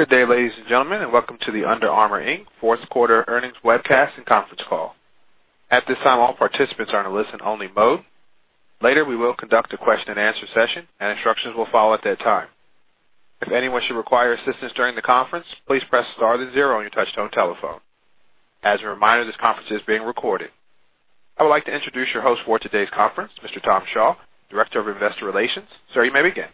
Good day, ladies and gentlemen, and welcome to the Under Armour, Inc. fourth quarter earnings webcast and conference call. At this time, all participants are in a listen-only mode. Later, we will conduct a question-and-answer session, and instructions will follow at that time. If anyone should require assistance during the conference, please press star then zero on your touch-tone telephone. As a reminder, this conference is being recorded. I would like to introduce your host for today's conference, Mr. Tom Shaw, Director of Investor Relations. Sir, you may begin.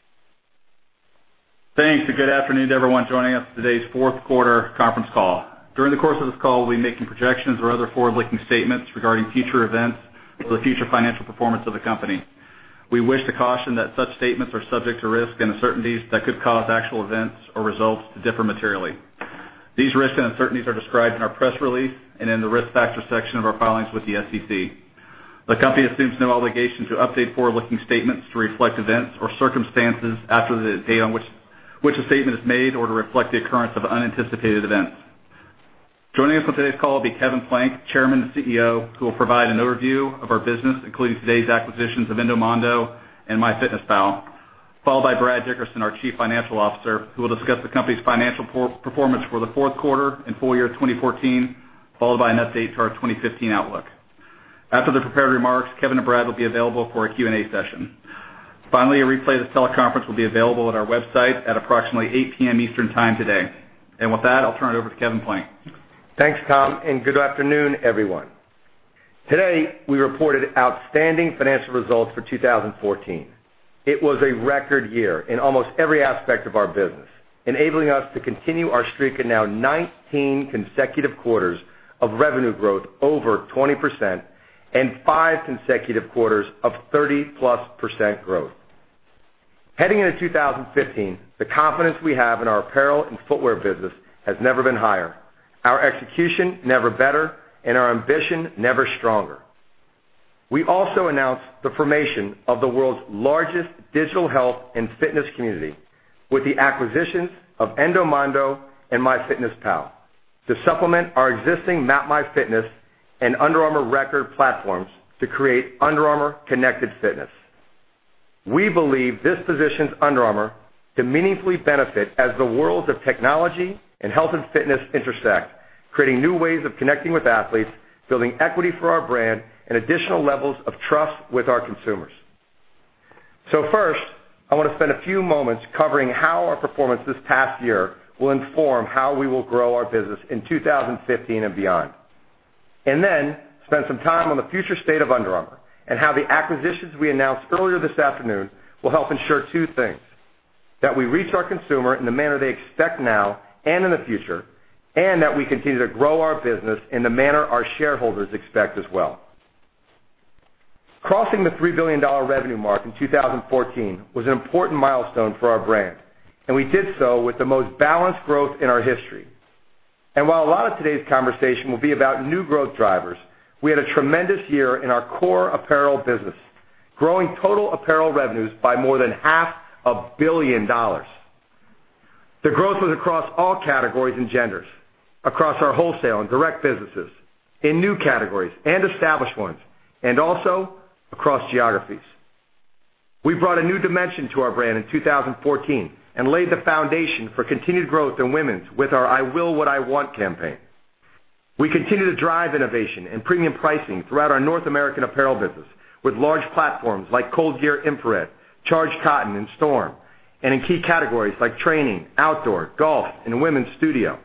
Thanks. Good afternoon to everyone joining us for today's fourth quarter conference call. During the course of this call, we will be making projections or other forward-looking statements regarding future events or the future financial performance of the company. We wish to caution that such statements are subject to risks and uncertainties that could cause actual events or results to differ materially. These risks and uncertainties are described in our press release and in the Risk Factors section of our filings with the SEC. The company assumes no obligation to update forward-looking statements to reflect events or circumstances after the date on which a statement is made or to reflect the occurrence of unanticipated events. Joining us on today's call will be Kevin Plank, Chairman and CEO, who will provide an overview of our business, including today's acquisitions of Endomondo and MyFitnessPal, followed by Brad Dickerson, our Chief Financial Officer, who will discuss the company's financial performance for the fourth quarter and full year 2014, followed by an update to our 2015 outlook. After the prepared remarks, Kevin and Brad will be available for a Q&A session. Finally, a replay of this teleconference will be available on our website at approximately 8:00 P.M. Eastern Time today. With that, I will turn it over to Kevin Plank. Thanks, Tom. Good afternoon, everyone. Today, we reported outstanding financial results for 2014. It was a record year in almost every aspect of our business, enabling us to continue our streak of now 19 consecutive quarters of revenue growth over 20% and five consecutive quarters of 30-plus % growth. Heading into 2015, the confidence we have in our apparel and footwear business has never been higher, our execution never better, and our ambition never stronger. We also announced the formation of the world's largest digital health and fitness community with the acquisitions of Endomondo and MyFitnessPal to supplement our existing MapMyFitness and UA Record platforms to create Under Armour Connected Fitness. We believe this positions Under Armour to meaningfully benefit as the worlds of technology and health and fitness intersect, creating new ways of connecting with athletes, building equity for our brand, and additional levels of trust with our consumers. First, I want to spend a few moments covering how our performance this past year will inform how we will grow our business in 2015 and beyond. Then spend some time on the future state of Under Armour and how the acquisitions we announced earlier this afternoon will help ensure two things, that we reach our consumer in the manner they expect now and in the future, and that we continue to grow our business in the manner our shareholders expect as well. Crossing the $3 billion revenue mark in 2014 was an important milestone for our brand, and we did so with the most balanced growth in our history. While a lot of today's conversation will be about new growth drivers, we had a tremendous year in our core apparel business, growing total apparel revenues by more than half a billion dollars. The growth was across all categories and genders, across our wholesale and direct businesses, in new categories and established ones, and also across geographies. We brought a new dimension to our brand in 2014 and laid the foundation for continued growth in women's with our I Will What I Want campaign. We continue to drive innovation and premium pricing throughout our North American apparel business with large platforms like ColdGear Infrared, Charged Cotton, and Storm, and in key categories like training, outdoor, golf, and women's studio.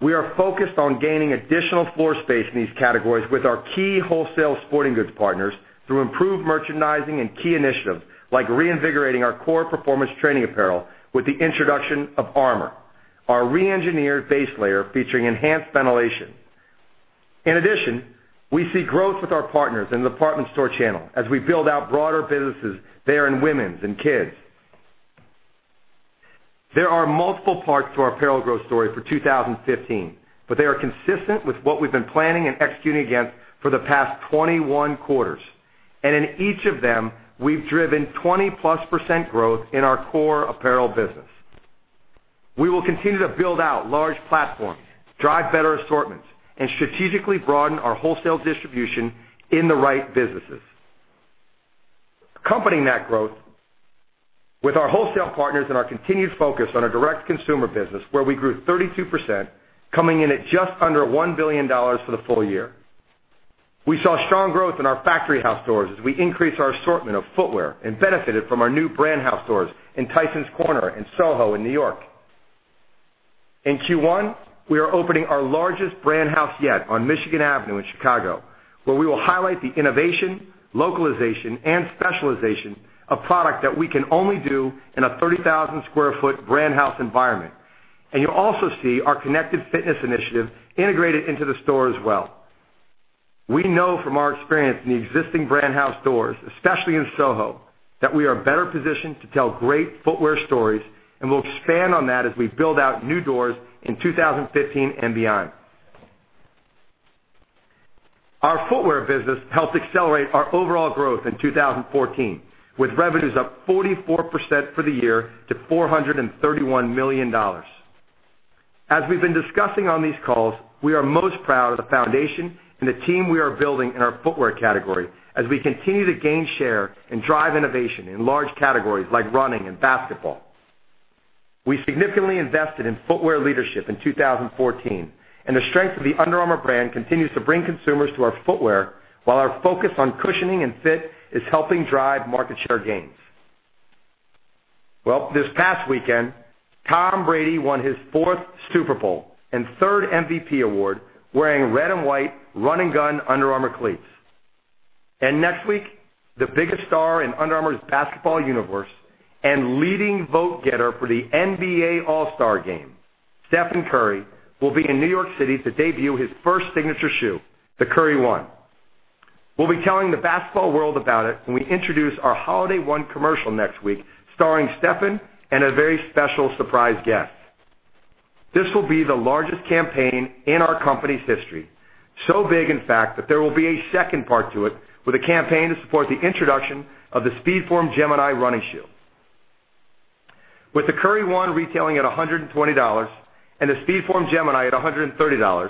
We are focused on gaining additional floor space in these categories with our key wholesale sporting goods partners through improved merchandising and key initiatives, like reinvigorating our core performance training apparel with the introduction of Armour, our re-engineered base layer featuring enhanced ventilation. In addition, we see growth with our partners in the department store channel as we build out broader businesses there in women's and kids. There are multiple parts to our apparel growth story for 2015, but they are consistent with what we've been planning and executing against for the past 21 quarters. In each of them, we've driven 20+% growth in our core apparel business. We will continue to build out large platforms, drive better assortments, and strategically broaden our wholesale distribution in the right businesses. Accompanying that growth with our wholesale partners and our continued focus on our direct consumer business, where we grew 32%, coming in at just under $1 billion for the full year. We saw strong growth in our Factory House stores as we increased our assortment of footwear and benefited from our new Brand House stores in Tysons Corner and SoHo in New York. In Q1, we are opening our largest Brand House yet on Michigan Avenue in Chicago, where we will highlight the innovation, localization, and specialization of product that we can only do in a 30,000-square-foot Brand House environment. You'll also see our Connected Fitness initiative integrated into the store as well. We know from our experience in the existing Brand House stores, especially in SoHo, that we are better positioned to tell great footwear stories. We'll expand on that as we build out new doors in 2015 and beyond. Our footwear business helped accelerate our overall growth in 2014, with revenues up 44% for the year to $431 million. As we've been discussing on these calls, we are most proud of the foundation and the team we are building in our footwear category as we continue to gain share and drive innovation in large categories like running and basketball. We significantly invested in footwear leadership in 2014, and the strength of the Under Armour brand continues to bring consumers to our footwear, while our focus on cushioning and fit is helping drive market share gains. Well, this past weekend, Tom Brady won his fourth Super Bowl and third MVP award wearing red and white Run N Gun Under Armour cleats. Next week, the biggest star in Under Armour's basketball universe and leading vote getter for the NBA All-Star Game, Stephen Curry, will be in New York City to debut his first signature shoe, the Curry One. We'll be telling the basketball world about it when we introduce our Holiday One commercial next week, starring Stephen and a very special surprise guest. This will be the largest campaign in our company's history. Big, in fact, that there will be a second part to it with a campaign to support the introduction of the SpeedForm Gemini running shoe. With the Curry One retailing at $120 and the SpeedForm Gemini at $130,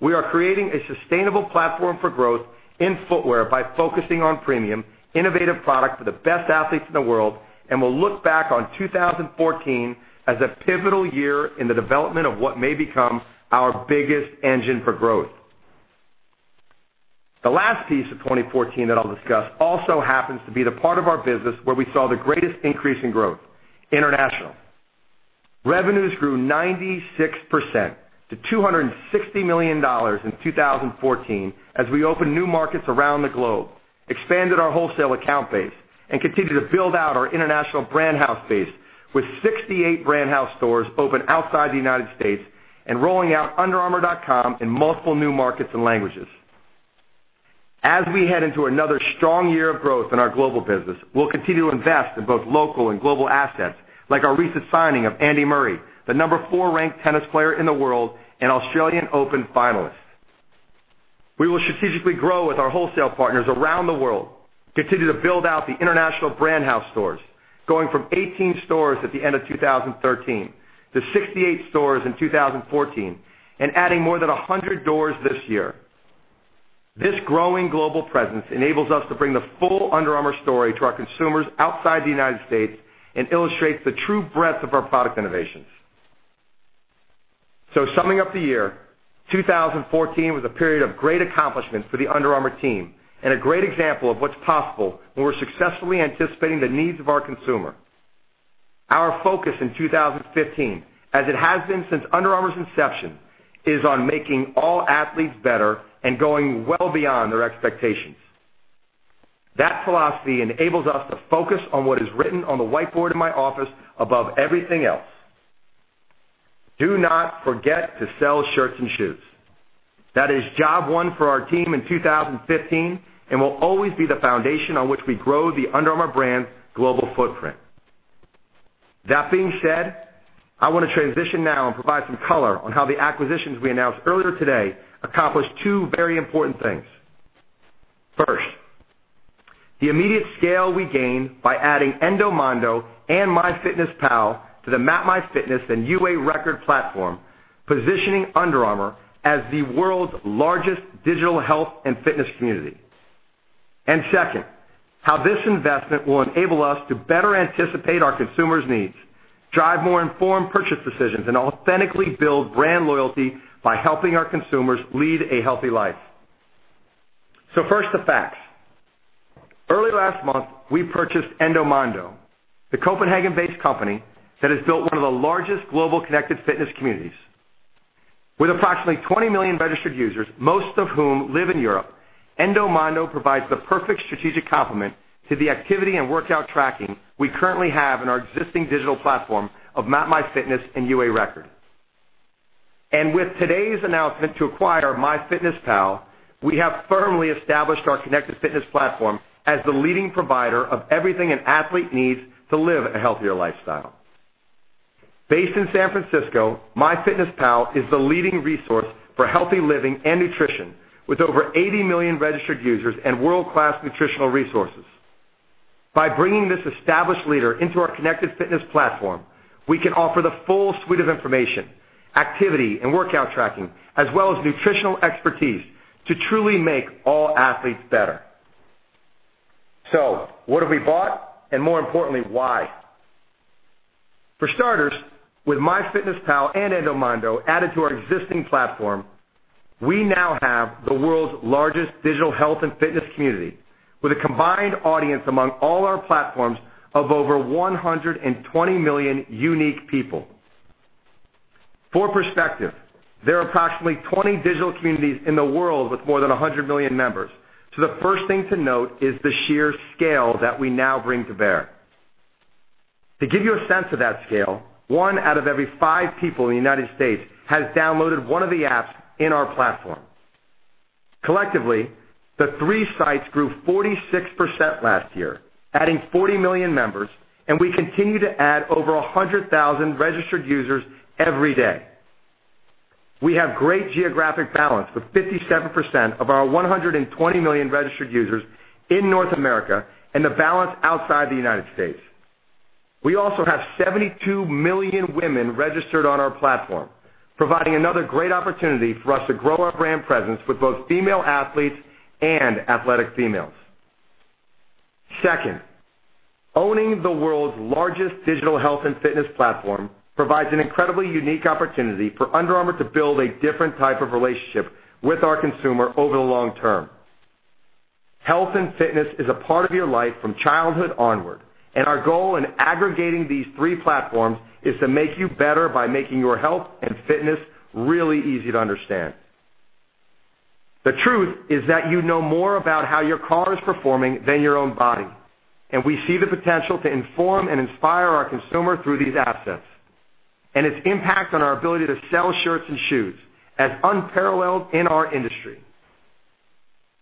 we are creating a sustainable platform for growth in footwear by focusing on premium, innovative product for the best athletes in the world. We'll look back on 2014 as a pivotal year in the development of what may become our biggest engine for growth. The last piece of 2014 that I'll discuss also happens to be the part of our business where we saw the greatest increase in growth: International. Revenues grew 96% to $260 million in 2014 as we opened new markets around the globe, expanded our wholesale account base, and continued to build out our international Brand House base with 68 Brand House stores open outside the United States and rolling out underarmour.com in multiple new markets and languages. As we head into another strong year of growth in our global business, we'll continue to invest in both local and global assets, like our recent signing of Andy Murray, the number four-ranked tennis player in the world and Australian Open finalist. We will strategically grow with our wholesale partners around the world, continue to build out the international Brand House stores, going from 18 stores at the end of 2013 to 68 stores in 2014 and adding more than 100 doors this year. This growing global presence enables us to bring the full Under Armour story to our consumers outside the United States and illustrates the true breadth of our product innovations. Summing up the year, 2014 was a period of great accomplishment for the Under Armour team and a great example of what's possible when we're successfully anticipating the needs of our consumer. Our focus in 2015, as it has been since Under Armour's inception, is on making all athletes better and going well beyond their expectations. That philosophy enables us to focus on what is written on the whiteboard in my office above everything else. Do not forget to sell shirts and shoes. That is job one for our team in 2015 and will always be the foundation on which we grow the Under Armour brand's global footprint. I want to transition now and provide some color on how the acquisitions we announced earlier today accomplish two very important things. First, the immediate scale we gain by adding Endomondo and MyFitnessPal to the MapMyFitness and UA Record platform, positioning Under Armour as the world's largest digital health and fitness community. Second, how this investment will enable us to better anticipate our consumers' needs, drive more informed purchase decisions, and authentically build brand loyalty by helping our consumers lead a healthy life. First, the facts. Early last month, we purchased Endomondo, the Copenhagen-based company that has built one of the largest global connected fitness communities. With approximately 20 million registered users, most of whom live in Europe, Endomondo provides the perfect strategic complement to the activity and workout tracking we currently have in our existing digital platform of MapMyFitness and UA Record. With today's announcement to acquire MyFitnessPal, we have firmly established our connected fitness platform as the leading provider of everything an athlete needs to live a healthier lifestyle. Based in San Francisco, MyFitnessPal is the leading resource for healthy living and nutrition, with over 80 million registered users and world-class nutritional resources. By bringing this established leader into our connected fitness platform, we can offer the full suite of information, activity, and workout tracking, as well as nutritional expertise to truly make all athletes better. What have we bought? More importantly, why? For starters, with MyFitnessPal and Endomondo added to our existing platform, we now have the world's largest digital health and fitness community, with a combined audience among all our platforms of over 120 million unique people. For perspective, there are approximately 20 digital communities in the world with more than 100 million members, the first thing to note is the sheer scale that we now bring to bear. To give you a sense of that scale, one out of every five people in the United States has downloaded one of the apps in our platform. Collectively, the three sites grew 46% last year, adding 40 million members, and we continue to add over 100,000 registered users every day. We have great geographic balance, with 57% of our 120 million registered users in North America, and the balance outside the United States. We also have 72 million women registered on our platform, providing another great opportunity for us to grow our brand presence with both female athletes and athletic females. Second, owning the world's largest digital health and fitness platform provides an incredibly unique opportunity for Under Armour to build a different type of relationship with our consumer over the long term. Health and fitness is a part of your life from childhood onward, and our goal in aggregating these three platforms is to make you better by making your health and fitness really easy to understand. The truth is that you know more about how your car is performing than your own body. We see the potential to inform and inspire our consumer through these assets. Its impact on our ability to sell shirts and shoes is unparalleled in our industry.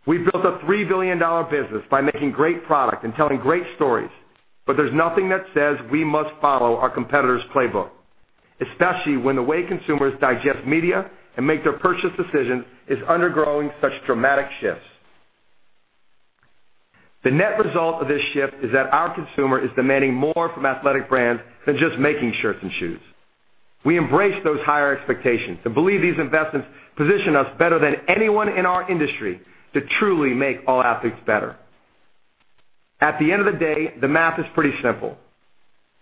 We built a $3 billion business by making great product and telling great stories. There's nothing that says we must follow our competitor's playbook, especially when the way consumers digest media and make their purchase decisions is undergoing such dramatic shifts. The net result of this shift is that our consumer is demanding more from athletic brands than just making shirts and shoes. We embrace those higher expectations and believe these investments position us better than anyone in our industry to truly make all athletes better. At the end of the day, the math is pretty simple.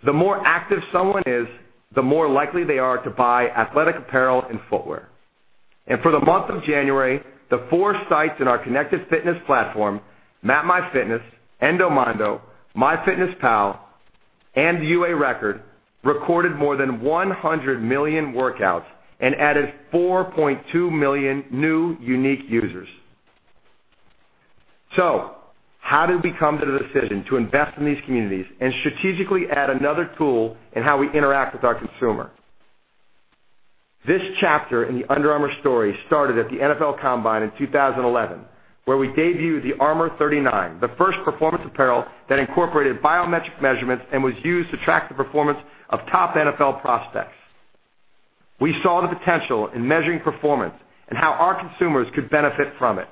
The more active someone is, the more likely they are to buy athletic apparel and footwear. For the month of January, the four sites in our Connected Fitness platform, MapMyFitness, Endomondo, MyFitnessPal, and UA Record, recorded more than 100 million workouts and added 4.2 million new unique users. How did we come to the decision to invest in these communities and strategically add another tool in how we interact with our consumer? This chapter in the Under Armour story started at the NFL Combine in 2011, where we debuted the Armour39, the first performance apparel that incorporated biometric measurements and was used to track the performance of top NFL prospects. We saw the potential in measuring performance and how our consumers could benefit from it.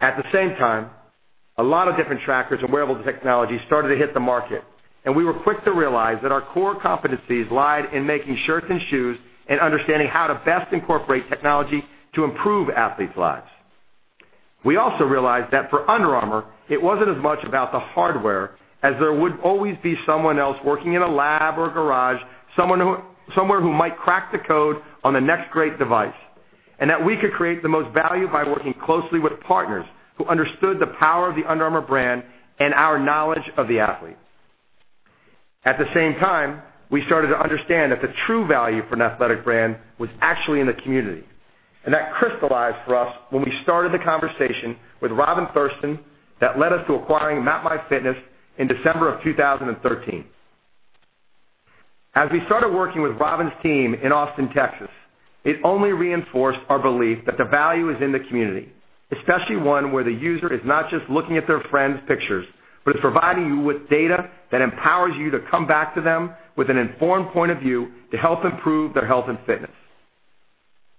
At the same time, a lot of different trackers and wearable technology started to hit the market. We were quick to realize that our core competencies lied in making shirts and shoes and understanding how to best incorporate technology to improve athletes' lives. We also realized that for Under Armour, it wasn't as much about the hardware, as there would always be someone else working in a lab or a garage, somewhere who might crack the code on the next great device. That we could create the most value by working closely with partners who understood the power of the Under Armour brand and our knowledge of the athlete. At the same time, we started to understand that the true value for an athletic brand was actually in the community. That crystallized for us when we started the conversation with Robin Thurston that led us to acquiring MapMyFitness in December of 2013. As we started working with Robin's team in Austin, Texas, it only reinforced our belief that the value is in the community, especially one where the user is not just looking at their friends' pictures, but it's providing you with data that empowers you to come back to them with an informed point of view to help improve their health and fitness.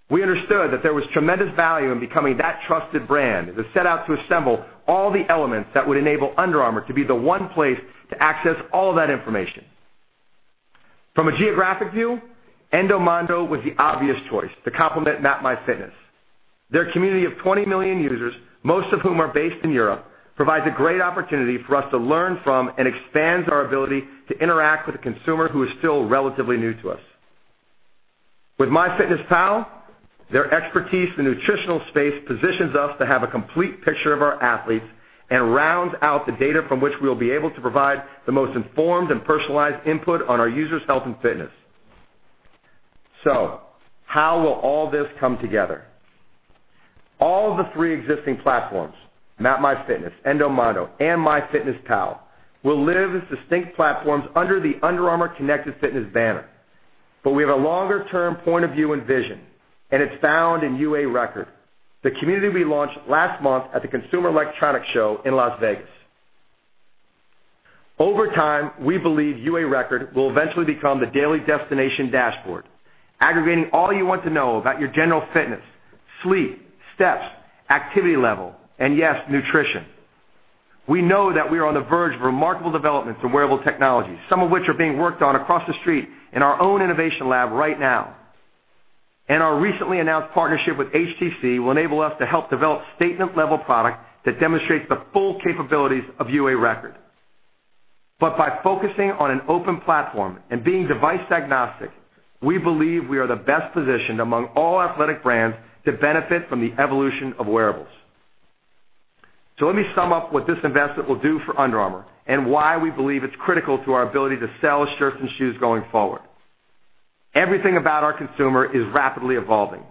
We understood that there was tremendous value in becoming that trusted brand as it set out to assemble all the elements that would enable Under Armour to be the one place to access all of that information. From a geographic view, Endomondo was the obvious choice to complement MapMyFitness. Their community of 20 million users, most of whom are based in Europe, provides a great opportunity for us to learn from and expands our ability to interact with a consumer who is still relatively new to us. With MyFitnessPal, their expertise in the nutritional space positions us to have a complete picture of our athletes and rounds out the data from which we'll be able to provide the most informed and personalized input on our users' health and fitness. How will all this come together? All of the three existing platforms, MapMyFitness, Endomondo, and MyFitnessPal, will live as distinct platforms under the Under Armour Connected Fitness banner. We have a longer-term point of view and vision, and it's found in UA Record, the community we launched last month at the Consumer Electronics Show in Las Vegas. Over time, we believe UA Record will eventually become the daily destination dashboard, aggregating all you want to know about your general fitness, sleep, steps, activity level, and yes, nutrition. We know that we are on the verge of remarkable developments in wearable technology, some of which are being worked on across the street in our own innovation lab right now. Our recently announced partnership with HTC will enable us to help develop statement-level product that demonstrates the full capabilities of UA Record. By focusing on an open platform and being device-agnostic, we believe we are the best positioned among all athletic brands to benefit from the evolution of wearables. Let me sum up what this investment will do for Under Armour and why we believe it's critical to our ability to sell shirts and shoes going forward. Everything about our consumer is rapidly evolving.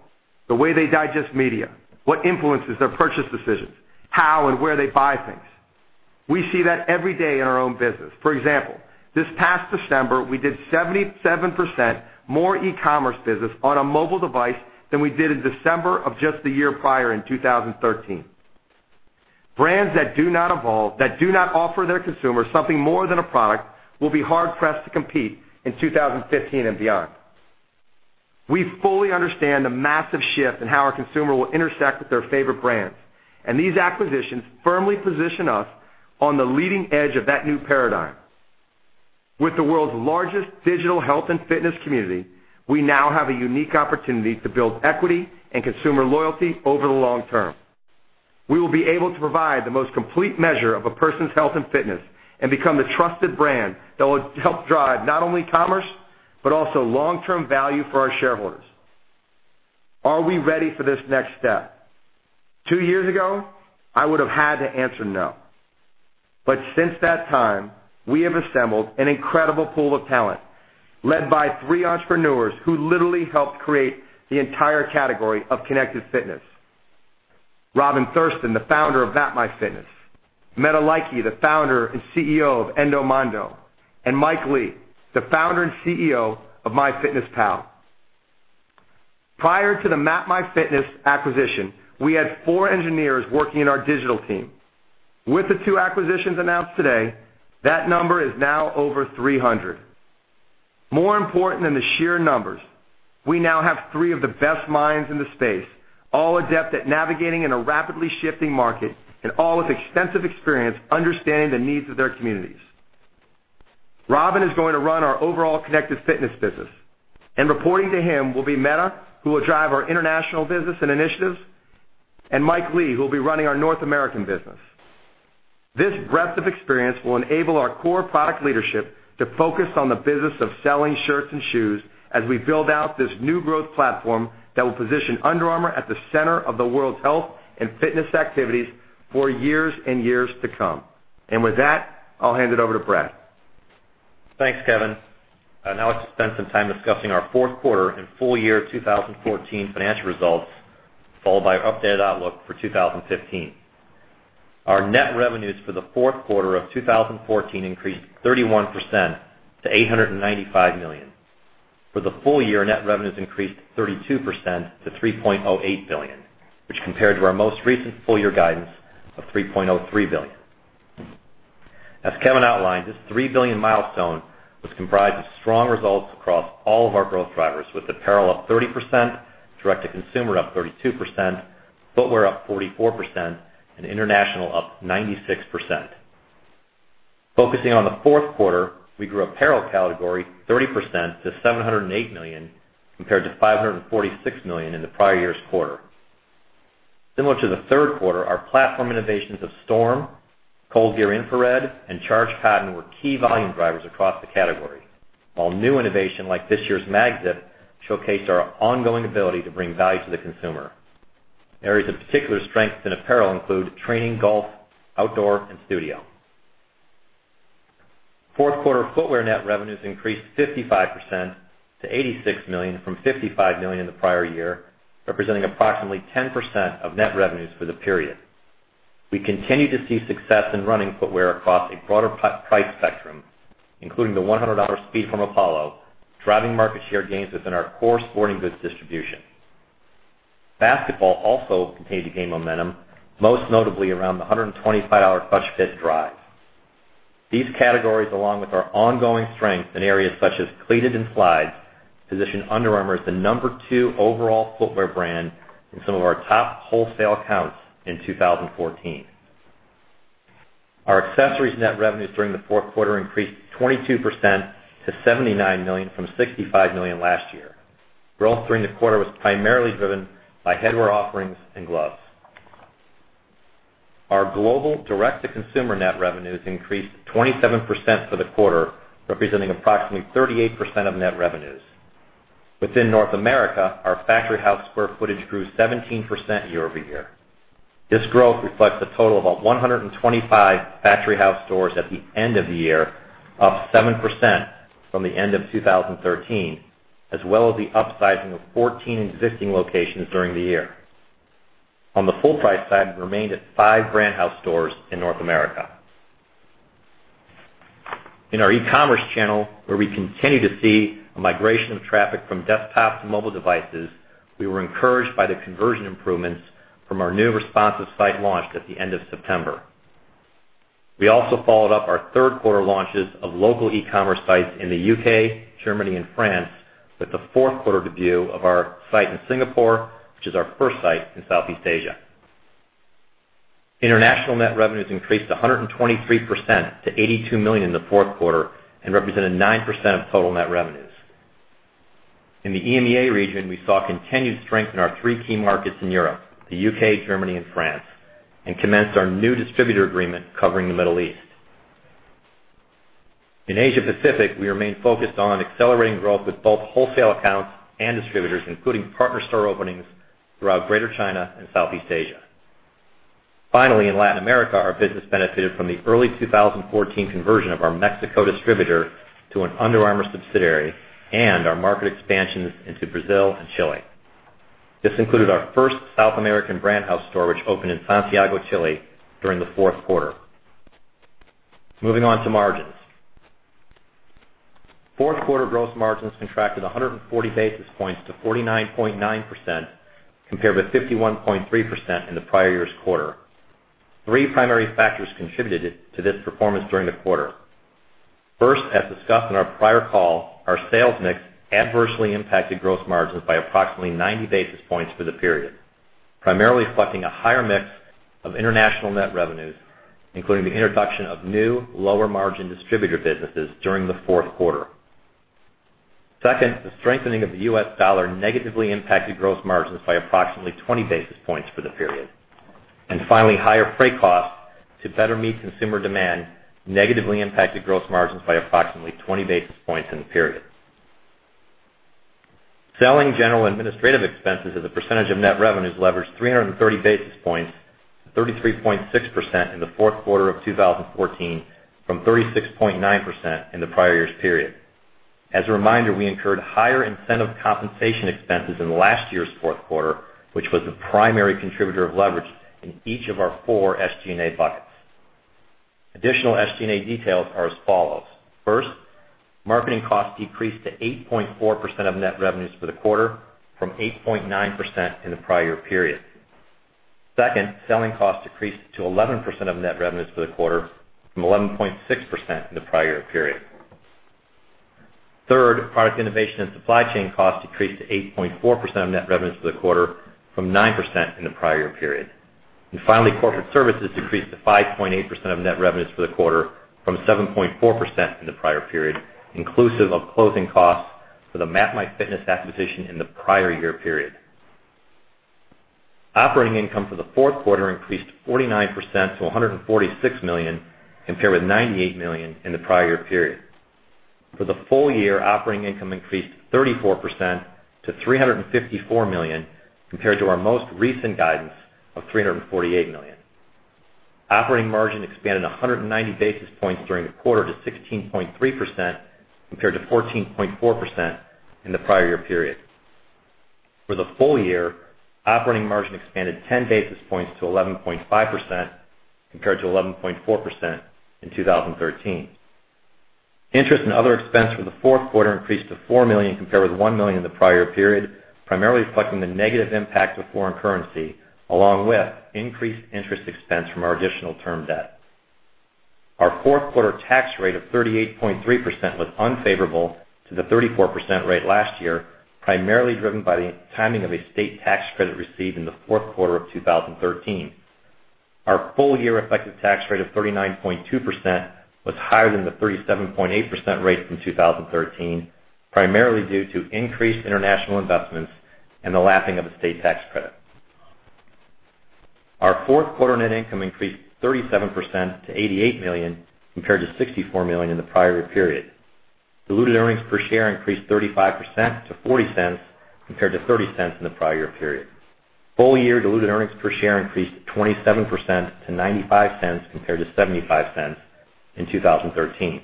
The way they digest media, what influences their purchase decisions, how and where they buy things. We see that every day in our own business. For example, this past December, we did 77% more e-commerce business on a mobile device than we did in December of just the year prior in 2013. Brands that do not evolve, that do not offer their consumers something more than a product will be hard-pressed to compete in 2015 and beyond. We fully understand the massive shift in how our consumer will intersect with their favorite brands, and these acquisitions firmly position us on the leading edge of that new paradigm. With the world's largest digital health and fitness community, we now have a unique opportunity to build equity and consumer loyalty over the long term. We will be able to provide the most complete measure of a person's health and fitness and become the trusted brand that will help drive not only commerce, but also long-term value for our shareholders. Are we ready for this next step? Two years ago, I would have had to answer no, but since that time, we have assembled an incredible pool of talent led by three entrepreneurs who literally helped create the entire category of connected fitness. Robin Thurston, the founder of MapMyFitness, Mette Lykke, the founder and CEO of Endomondo, and Mike Lee, the founder and CEO of MyFitnessPal. Prior to the MapMyFitness acquisition, we had four engineers working in our digital team. With the two acquisitions announced today, that number is now over 300. More important than the sheer numbers, we now have three of the best minds in the space, all adept at navigating in a rapidly shifting market and all with extensive experience understanding the needs of their communities. Robin is going to run our overall Connected Fitness business, and reporting to him will be Mette, who will drive our international business and initiatives, and Mike Lee, who will be running our North American business. This breadth of experience will enable our core product leadership to focus on the business of selling shirts and shoes as we build out this new growth platform that will position Under Armour at the center of the world's health and fitness activities for years and years to come. With that, I'll hand it over to Brad. Thanks, Kevin. I'd now like to spend some time discussing our fourth quarter and full year 2014 financial results, followed by our updated outlook for 2015. Our net revenues for the fourth quarter of 2014 increased 31% to $895 million. For the full year, net revenues increased 32% to $3.08 billion, which compared to our most recent full year guidance of $3.03 billion. As Kevin outlined, this $3 billion milestone was comprised of strong results across all of our growth drivers, with apparel up 30%, direct-to-consumer up 32%, footwear up 44%, and international up 96%. Focusing on the fourth quarter, we grew apparel category 30% to $708 million, compared to $546 million in the prior year's quarter. Similar to the third quarter, our platform innovations of Storm, ColdGear Infrared, and Charged Cotton were key volume drivers across the category. New innovation like this year's MagZip showcased our ongoing ability to bring value to the consumer. Areas of particular strength in apparel include training, golf, outdoor, and studio. Fourth quarter footwear net revenues increased 55% to $86 million from $55 million in the prior year, representing approximately 10% of net revenues for the period. We continue to see success in running footwear across a broader price spectrum, including the $100 SpeedForm Apollo, driving market share gains within our core sporting goods distribution. Basketball also continued to gain momentum, most notably around the $125 ClutchFit Drive. These categories, along with our ongoing strength in areas such as cleated and slides, position Under Armour as the number two overall footwear brand in some of our top wholesale accounts in 2014. Our accessories net revenues during the fourth quarter increased 22% to $79 million from $65 million last year. Growth during the quarter was primarily driven by headwear offerings and gloves. Our global direct-to-consumer net revenues increased 27% for the quarter, representing approximately 38% of net revenues. Within North America, our Factory House square footage grew 17% year-over-year. This growth reflects a total of 125 Factory House stores at the end of the year, up 7% from the end of 2013, as well as the upsizing of 14 existing locations during the year. On the full price side, we remained at five Brand House stores in North America. In our e-commerce channel, where we continue to see a migration of traffic from desktop to mobile devices, we were encouraged by the conversion improvements from our new responsive site launch at the end of September. We also followed up our third quarter launches of local e-commerce sites in the U.K., Germany, and France with the fourth quarter debut of our site in Singapore, which is our first site in Southeast Asia. International net revenues increased 123% to $82 million in the fourth quarter and represented 9% of total net revenues. In the EMEA region, we saw continued strength in our three key markets in Europe, the U.K., Germany, and France, and commenced our new distributor agreement covering the Middle East. In Asia-Pacific, we remain focused on accelerating growth with both wholesale accounts and distributors, including partner store openings throughout Greater China and Southeast Asia. In Latin America, our business benefited from the early 2014 conversion of our Mexico distributor to an Under Armour subsidiary and our market expansions into Brazil and Chile. This included our first South American Brand House store, which opened in Santiago, Chile during the fourth quarter. Moving on to margins. Fourth quarter gross margins contracted 140 basis points to 49.9%, compared with 51.3% in the prior year's quarter. Three primary factors contributed to this performance during the quarter. First, as discussed on our prior call, our sales mix adversely impacted gross margins by approximately 90 basis points for the period, primarily reflecting a higher mix of international net revenues, including the introduction of new, lower-margin distributor businesses during the fourth quarter. Second, the strengthening of the U.S. dollar negatively impacted gross margins by approximately 20 basis points for the period. Finally, higher freight costs to better meet consumer demand negatively impacted gross margins by approximately 20 basis points in the period. Selling, general, and administrative expenses as a percentage of net revenues leveraged 330 basis points to 33.6% in the fourth quarter of 2014 from 36.9% in the prior year's period. As a reminder, we incurred higher incentive compensation expenses than last year's fourth quarter, which was the primary contributor of leverage in each of our four SG&A buckets. Additional SG&A details are as follows. First, marketing costs decreased to 8.4% of net revenues for the quarter from 8.9% in the prior period. Second, selling costs decreased to 11% of net revenues for the quarter from 11.6% in the prior period. Third, product innovation and supply chain costs decreased to 8.4% of net revenues for the quarter from 9% in the prior period. Finally, corporate services decreased to 5.8% of net revenues for the quarter from 7.4% in the prior period, inclusive of closing costs for the MapMyFitness acquisition in the prior year period. Operating income for the fourth quarter increased 49% to $146 million, compared with $98 million in the prior year period. For the full year, operating income increased 34% to $354 million, compared to our most recent guidance of $348 million. Operating margin expanded 190 basis points during the quarter to 16.3%, compared to 14.4% in the prior year period. For the full year, operating margin expanded 10 basis points to 11.5%, compared to 11.4% in 2013. Interest and other expense for the fourth quarter increased to $4 million compared with $1 million in the prior period, primarily reflecting the negative impact of foreign currency, along with increased interest expense from our additional term debt. Our fourth quarter tax rate of 38.3% was unfavorable to the 34% rate last year, primarily driven by the timing of a state tax credit received in the fourth quarter of 2013. Our full-year effective tax rate of 39.2% was higher than the 37.8% rate from 2013, primarily due to increased international investments and the lapping of a state tax credit. Our fourth quarter net income increased 37% to $88 million, compared to $64 million in the prior year period. Diluted earnings per share increased 35% to $0.40, compared to $0.30 in the prior year period. Full-year diluted earnings per share increased 27% to $0.95, compared to $0.75 in 2013.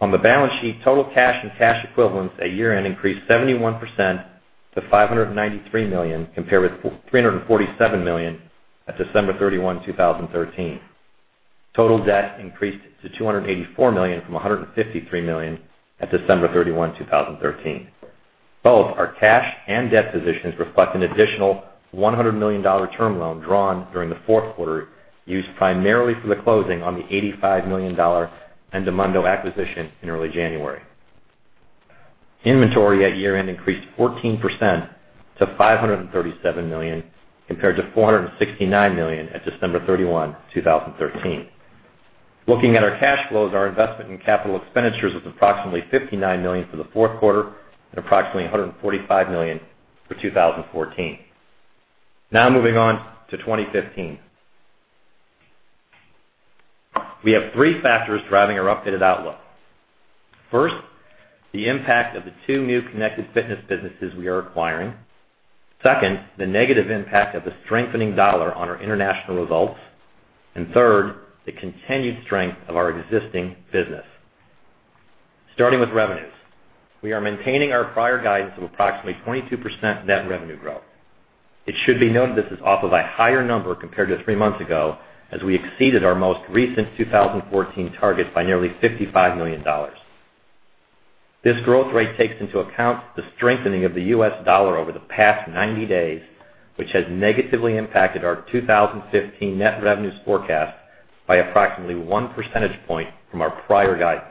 On the balance sheet, total cash and cash equivalents at year-end increased 71% to $593 million, compared with $347 million at December 31, 2013. Total debt increased to $284 million from $153 million at December 31, 2013. Both our cash and debt positions reflect an additional $100 million term loan drawn during the fourth quarter, used primarily for the closing on the $85 million Endomondo acquisition in early January. Inventory at year-end increased 14% to $537 million, compared to $469 million at December 31, 2013. Looking at our cash flows, our investment in capital expenditures was approximately $59 million for the fourth quarter and approximately $145 million for 2014. Moving on to 2015. We have three factors driving our updated outlook. First, the impact of the two new connected fitness businesses we are acquiring. Second, the negative impact of the strengthening dollar on our international results. Third, the continued strength of our existing business. Starting with revenues. We are maintaining our prior guidance of approximately 22% net revenue growth. It should be noted this is off of a higher number compared to three months ago, as we exceeded our most recent 2014 targets by nearly $55 million. This growth rate takes into account the strengthening of the U.S. dollar over the past 90 days, which has negatively impacted our 2015 net revenues forecast by approximately one percentage point from our prior guidance.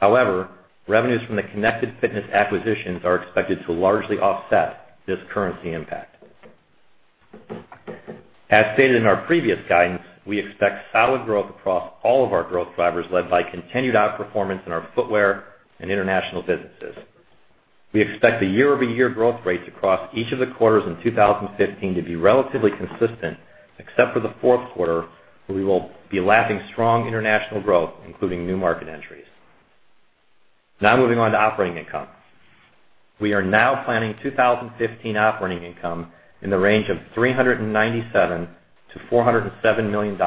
However, revenues from the connected fitness acquisitions are expected to largely offset this currency impact. As stated in our previous guidance, we expect solid growth across all of our growth drivers, led by continued outperformance in our footwear and international businesses. We expect the year-over-year growth rates across each of the quarters in 2015 to be relatively consistent, except for the fourth quarter, where we will be lapping strong international growth, including new market entries. Moving on to operating income. We are now planning 2015 operating income in the range of $397 million-$407 million,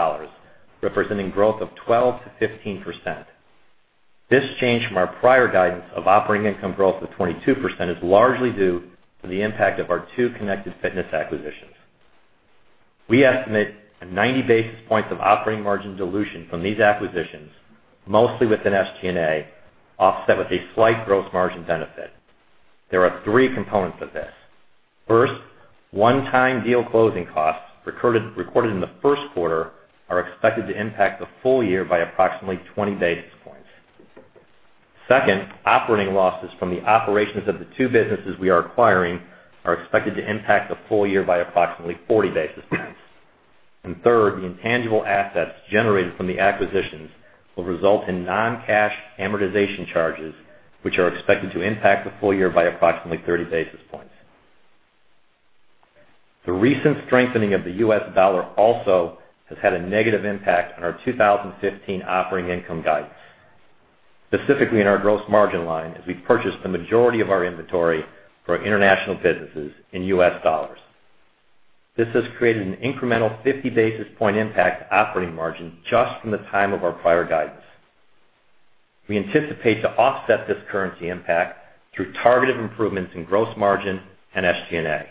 representing growth of 12%-15%. This change from our prior guidance of operating income growth of 22% is largely due to the impact of our two connected fitness acquisitions. We estimate a 90 basis points of operating margin dilution from these acquisitions, mostly within SG&A, offset with a slight gross margin benefit. There are three components of this. First, one-time deal closing costs recorded in the first quarter are expected to impact the full year by approximately 20 basis points. Second, operating losses from the operations of the two businesses we are acquiring are expected to impact the full year by approximately 40 basis points. Third, the intangible assets generated from the acquisitions will result in non-cash amortization charges, which are expected to impact the full year by approximately 30 basis points. The recent strengthening of the U.S. dollar also has had a negative impact on our 2015 operating income guidance, specifically in our gross margin line, as we purchased the majority of our inventory for our international businesses in U.S. dollars. This has created an incremental 50 basis point impact to operating margin just from the time of our prior guidance. We anticipate to offset this currency impact through targeted improvements in gross margin and SG&A.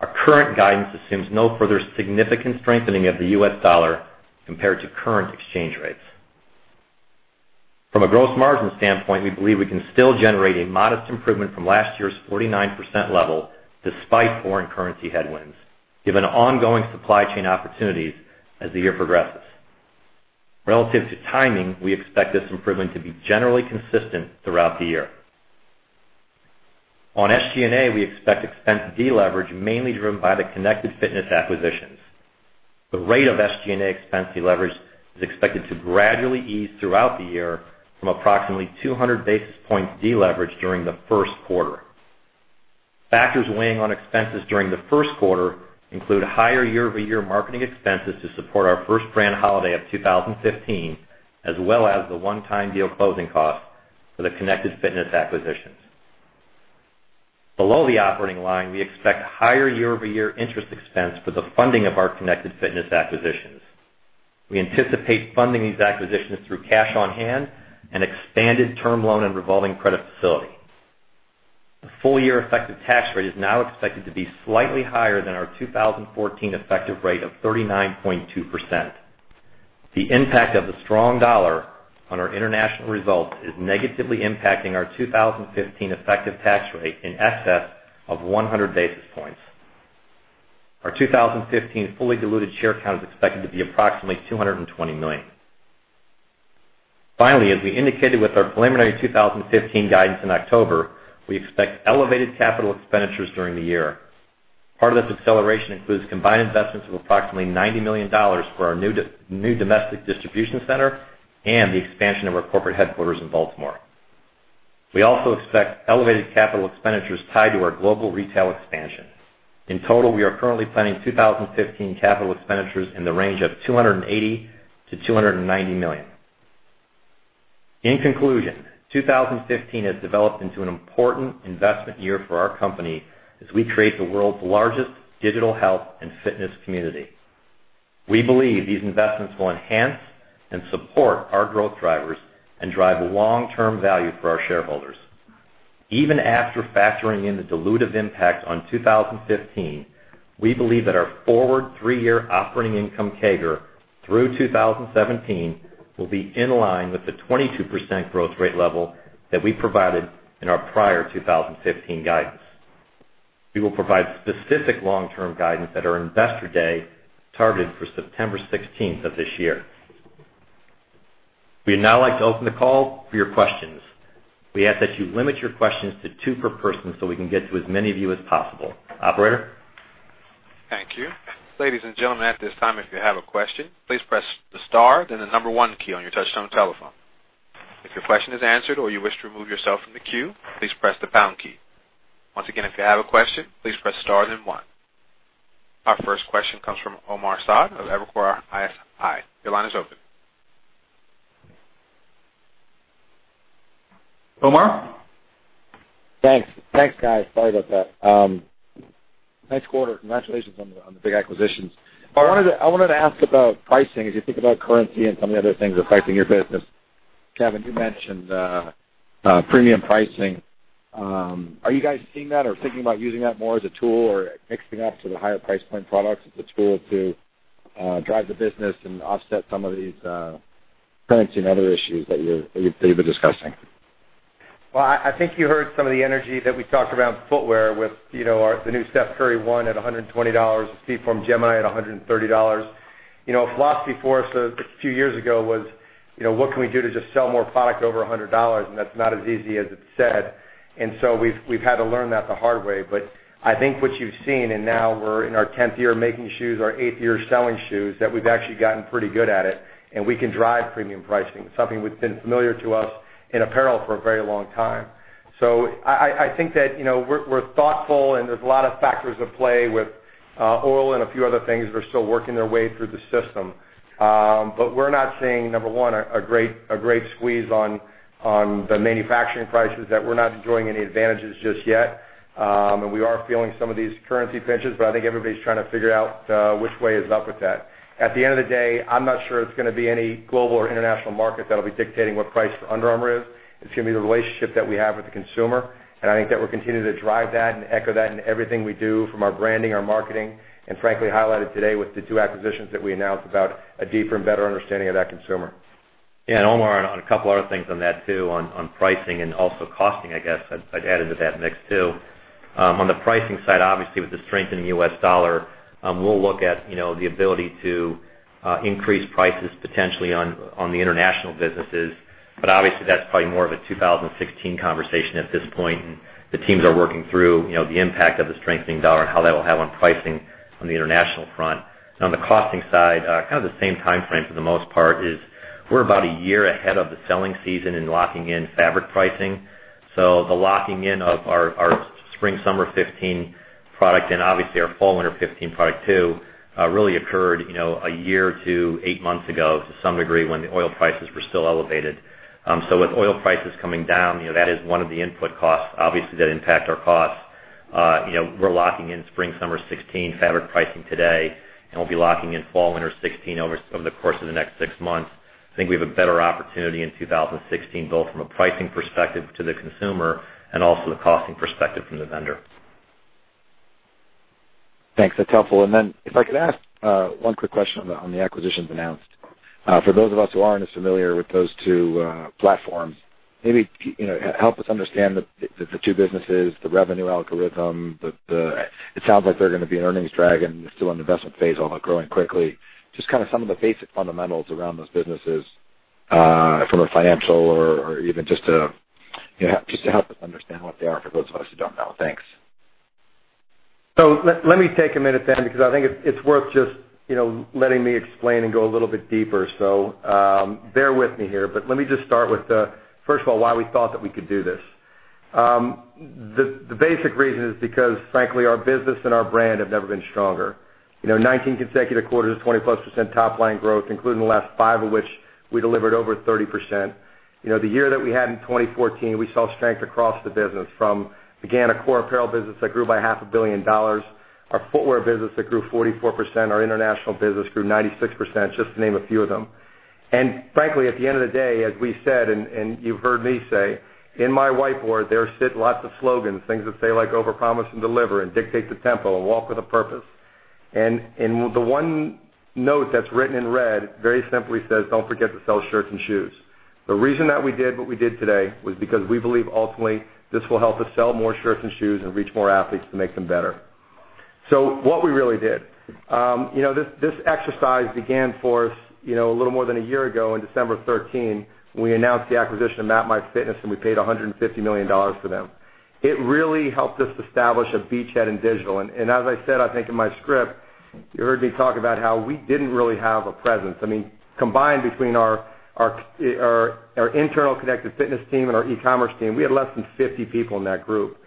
Our current guidance assumes no further significant strengthening of the U.S. dollar compared to current exchange rates. From a gross margin standpoint, we believe we can still generate a modest improvement from last year's 49% level despite foreign currency headwinds, given ongoing supply chain opportunities as the year progresses. Relative to timing, we expect this improvement to be generally consistent throughout the year. On SG&A, we expect expense deleverage mainly driven by the Connected Fitness acquisitions. The rate of SG&A expense deleverage is expected to gradually ease throughout the year from approximately 200 basis points deleverage during the first quarter. Factors weighing on expenses during the first quarter include higher year-over-year marketing expenses to support our first brand holiday of 2015, as well as the one-time deal closing cost for the Connected Fitness acquisitions. Below the operating line, we expect higher year-over-year interest expense for the funding of our Connected Fitness acquisitions. We anticipate funding these acquisitions through cash on hand and expanded term loan and revolving credit facility. The full year effective tax rate is now expected to be slightly higher than our 2014 effective rate of 39.2%. The impact of the strong dollar on our international results is negatively impacting our 2015 effective tax rate in excess of 100 basis points. Our 2015 fully diluted share count is expected to be approximately 220 million. Finally, as we indicated with our preliminary 2015 guidance in October, we expect elevated capital expenditures during the year. Part of this acceleration includes combined investments of approximately $90 million for our new domestic distribution center and the expansion of our corporate headquarters in Baltimore. We also expect elevated capital expenditures tied to our global retail expansion. In total, we are currently planning 2015 capital expenditures in the range of $280 million-$290 million. In conclusion, 2015 has developed into an important investment year for our company as we create the world's largest digital health and fitness community. We believe these investments will enhance and support our growth drivers and drive long-term value for our shareholders. Even after factoring in the dilutive impact on 2015, we believe that our forward three-year operating income CAGR through 2017 will be in line with the 22% growth rate level that we provided in our prior 2015 guidance. We will provide specific long-term guidance at our Investor Day targeted for September 16th of this year. We'd now like to open the call for your questions. We ask that you limit your questions to two per person so we can get to as many of you as possible. Operator? Thank you. Ladies and gentlemen, at this time, if you have a question, please press the star then the number one key on your touchtone telephone. If your question is answered or you wish to remove yourself from the queue, please press the pound key. Once again, if you have a question, please press star then one. Our first question comes from Omar Saad of Evercore ISI. Your line is open. Omar? Thanks, guys. Sorry about that. Nice quarter. Congratulations on the big acquisitions. I wanted to ask about pricing as you think about currency and some of the other things affecting your business. Kevin, you mentioned premium pricing. Are you guys seeing that or thinking about using that more as a tool or mixing up to the higher price point products as a tool to drive the business and offset some of these currency and other issues that you've been discussing? Well, I think you heard some of the energy that we talked about footwear with the new Steph Curry One at $120, the SpeedForm Gemini at $130. A philosophy for us a few years ago was what can we do to just sell more product over $100, that's not as easy as it said. We've had to learn that the hard way. I think what you've seen, and now we're in our tenth year making shoes, our eighth year selling shoes, that we've actually gotten pretty good at it, and we can drive premium pricing. It's something that's been familiar to us in apparel for a very long time. I think that we're thoughtful and there's a lot of factors at play with oil and a few other things that are still working their way through the system. We're not seeing, number one, a great squeeze on the manufacturing prices that we're not enjoying any advantages just yet. We are feeling some of these currency pinches, but I think everybody's trying to figure out which way is up with that. At the end of the day, I'm not sure it's going to be any global or international market that'll be dictating what price for Under Armour is. It's going to be the relationship that we have with the consumer, and I think that we're continuing to drive that and echo that in everything we do from our branding, our marketing, and frankly, highlighted today with the two acquisitions that we announced about a deeper and better understanding of that consumer. Yeah, Omar, on a couple other things on that too, on pricing and also costing, I guess I'd add into that mix too. On the pricing side, obviously, with the strengthening of the U.S. dollar, we'll look at the ability to increase prices potentially on the international businesses. Obviously, that's probably more of a 2016 conversation at this point. The teams are working through the impact of the strengthening dollar and how that will have on pricing on the international front. On the costing side, kind of the same timeframe for the most part is we're about a year ahead of the selling season in locking in fabric pricing. The locking in of our spring/summer 2015 product and obviously our fall/winter 2015 product too, really occurred a year to eight months ago to some degree when the oil prices were still elevated. With oil prices coming down, that is one of the input costs, obviously, that impact our costs. We're locking in spring/summer 2016 fabric pricing today, and we'll be locking in fall/winter 2016 over the course of the next six months. I think we have a better opportunity in 2016, both from a pricing perspective to the consumer and also the costing perspective from the vendor. Thanks. That's helpful. Then if I could ask one quick question on the acquisitions announced. For those of us who aren't as familiar with those two platforms, maybe help us understand the two businesses, the revenue algorithm. It sounds like they're going to be an earnings drag and still in the investment phase, although growing quickly. Just kind of some of the basic fundamentals around those businesses from a financial or even just to help us understand what they are for those of us who don't know. Thanks. Let me take a minute then, because I think it's worth just letting me explain and go a little bit deeper. Bear with me here, but let me just start with first of all, why we thought that we could do this. The basic reason is because, frankly, our business and our brand have never been stronger. 19 consecutive quarters, 20%+ top-line growth, including the last five of which we delivered over 30%. The year that we had in 2014, we saw strength across the business from, again, a core apparel business that grew by half a billion dollars, our footwear business that grew 44%, our international business grew 96%, just to name a few of them. Frankly, at the end of the day, as we said, and you've heard me say, in my whiteboard, there sit lots of slogans, things that say like overpromise and deliver, dictate the tempo, walk with a purpose. The one note that's written in red very simply says, "Don't forget to sell shirts and shoes." The reason that we did what we did today was because we believe ultimately this will help us sell more shirts and shoes and reach more athletes to make them better. What we really did. This exercise began for us a little more than a year ago in December 2013, when we announced the acquisition of MapMyFitness, and we paid $150 million for them. It really helped us establish a beachhead in digital. As I said, I think in my script, you heard me talk about how we didn't really have a presence. Combined between our internal connected fitness team and our e-commerce team, we had less than 50 people in that group.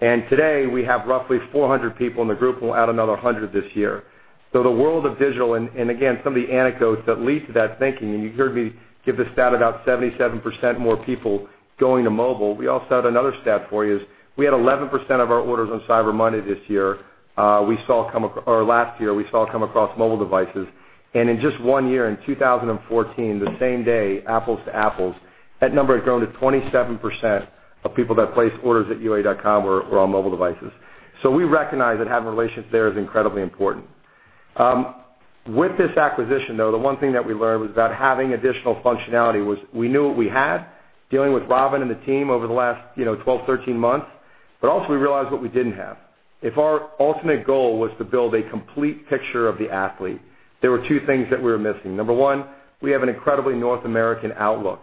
Today, we have roughly 400 people in the group, and we'll add another 100 this year. The world of digital and, again, some of the anecdotes that lead to that thinking, you heard me give the stat about 77% more people going to mobile. We also had another stat for you is we had 11% of our orders on Cyber Monday this year or last year, we saw come across mobile devices. In just one year in 2014, the same day, apples to apples, that number had grown to 27% of people that placed orders at ua.com were on mobile devices. We recognize that having a relationship there is incredibly important. With this acquisition, though, the one thing that we learned was about having additional functionality was we knew what we had dealing with Robin and the team over the last 12, 13 months, but also we realized what we didn't have. If our ultimate goal was to build a complete picture of the athlete, there were two things that we were missing. Number one, we have an incredibly North American outlook,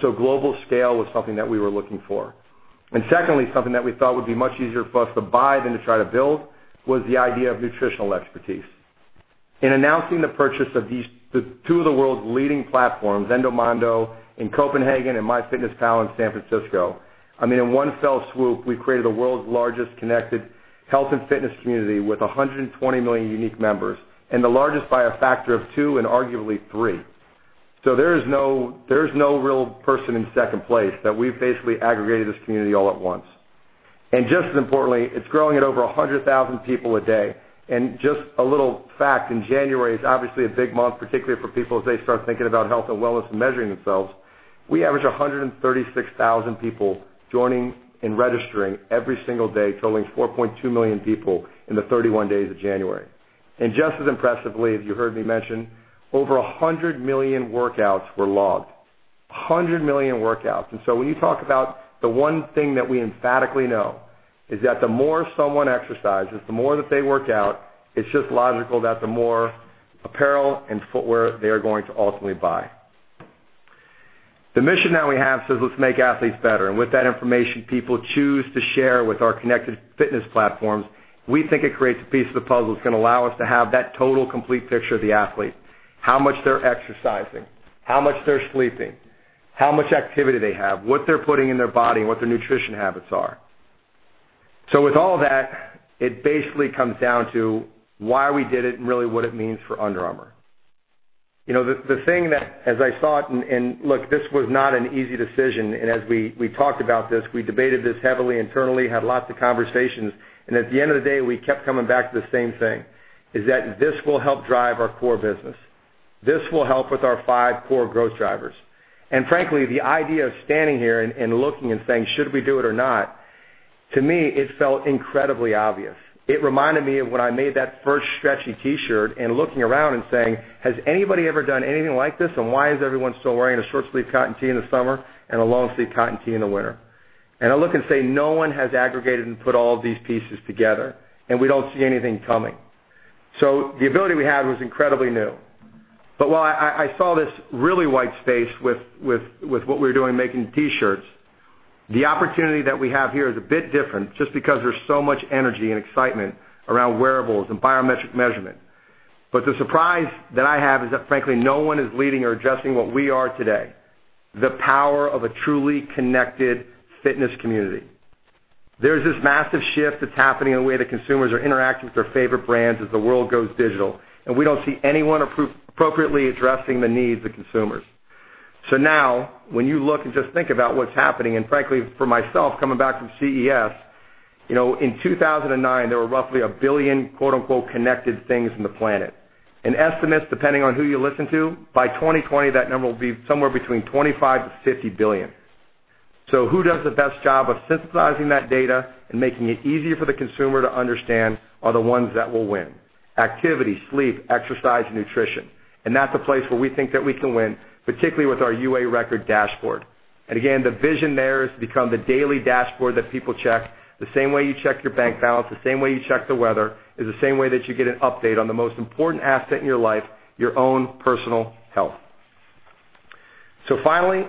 global scale was something that we were looking for. Secondly, something that we thought would be much easier for us to buy than to try to build was the idea of nutritional expertise. In announcing the purchase of two of the world's leading platforms, Endomondo in Copenhagen and MyFitnessPal in San Francisco, in one fell swoop, we've created the world's largest connected health and fitness community with 120 million unique members, and the largest by a factor of two and arguably three. There is no real person in second place that we've basically aggregated this community all at once. Just as importantly, it's growing at over 100,000 people a day. Just a little fact, in January, it's obviously a big month, particularly for people as they start thinking about health and wellness and measuring themselves. We average 136,000 people joining and registering every single day, totaling 4.2 million people in the 31 days of January. Just as impressively, as you heard me mention, over 100 million workouts were logged. 100 million workouts. When you talk about the one thing that we emphatically know is that the more someone exercises, the more that they work out, it's just logical that the more apparel and footwear they are going to ultimately buy. The mission that we have says let's make athletes better. With that information people choose to share with our Connected Fitness platforms, we think it creates a piece of the puzzle that's going to allow us to have that total complete picture of the athlete. How much they're exercising, how much they're sleeping, how much activity they have, what they're putting in their body, and what their nutrition habits are. With all that, it basically comes down to why we did it and really what it means for Under Armour. The thing that as I saw it, and look, this was not an easy decision. As we talked about this, we debated this heavily internally, had lots of conversations, and at the end of the day, we kept coming back to the same thing, is that this will help drive our core business. This will help with our five core growth drivers. Frankly, the idea of standing here and looking and saying, "Should we do it or not?" To me, it felt incredibly obvious. It reminded me of when I made that first stretchy T-shirt and looking around and saying, "Has anybody ever done anything like this? And why is everyone still wearing a short-sleeved cotton tee in the summer and a long-sleeved cotton tee in the winter?" I look and say, "No one has aggregated and put all of these pieces together, and we don't see anything coming." The ability we had was incredibly new. While I saw this really white space with what we were doing, making T-shirts, the opportunity that we have here is a bit different just because there's so much energy and excitement around wearables and biometric measurement. The surprise that I have is that, frankly, no one is leading or addressing what we are today, the power of a truly Connected Fitness community. There's this massive shift that's happening in the way that consumers are interacting with their favorite brands as the world goes digital, and we don't see anyone appropriately addressing the needs of consumers. When you look and just think about what's happening, and frankly, for myself, coming back from CES, in 2009, there were roughly a billion, quote unquote, "connected things" on the planet. Estimates, depending on who you listen to, by 2020, that number will be somewhere between 25-50 billion. Who does the best job of synthesizing that data and making it easier for the consumer to understand are the ones that will win. Activity, sleep, exercise, nutrition. That's a place where we think that we can win, particularly with our UA Record dashboard. The vision there is to become the daily dashboard that people check. The same way you check your bank balance, the same way you check the weather, is the same way that you get an update on the most important asset in your life, your own personal health. Finally,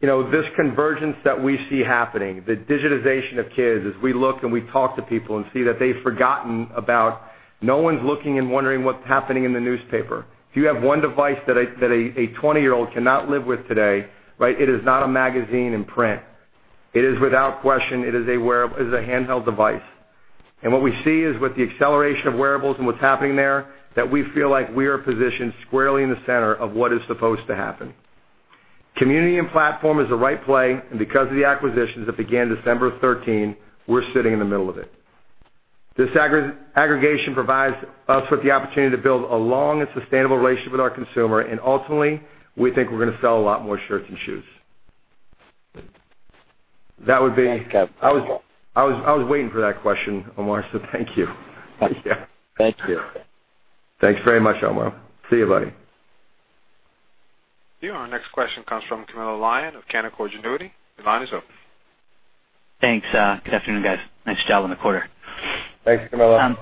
this convergence that we see happening, the digitization of kids, as we look and we talk to people and see that they've forgotten about. No one's looking and wondering what's happening in the newspaper. If you have one device that a 20-year-old cannot live with today, it is not a magazine in print. It is, without question, it is a handheld device. What we see is with the acceleration of wearables and what's happening there, that we feel like we are positioned squarely in the center of what is supposed to happen. Community and platform is the right play, and because of the acquisitions that began December 2013, we're sitting in the middle of it. This aggregation provides us with the opportunity to build a long and sustainable relationship with our consumer, and ultimately, we think we're going to sell a lot more shirts and shoes. That would be- Thanks, Kevin. I was waiting for that question, Omar, so thank you. Thank you. Thanks very much, Omar. See you, buddy. You're on. Next question comes from Camilo Lyon of Canaccord Genuity. The line is open. Thanks. Good afternoon, guys. Nice job on the quarter. Thanks, Camilo.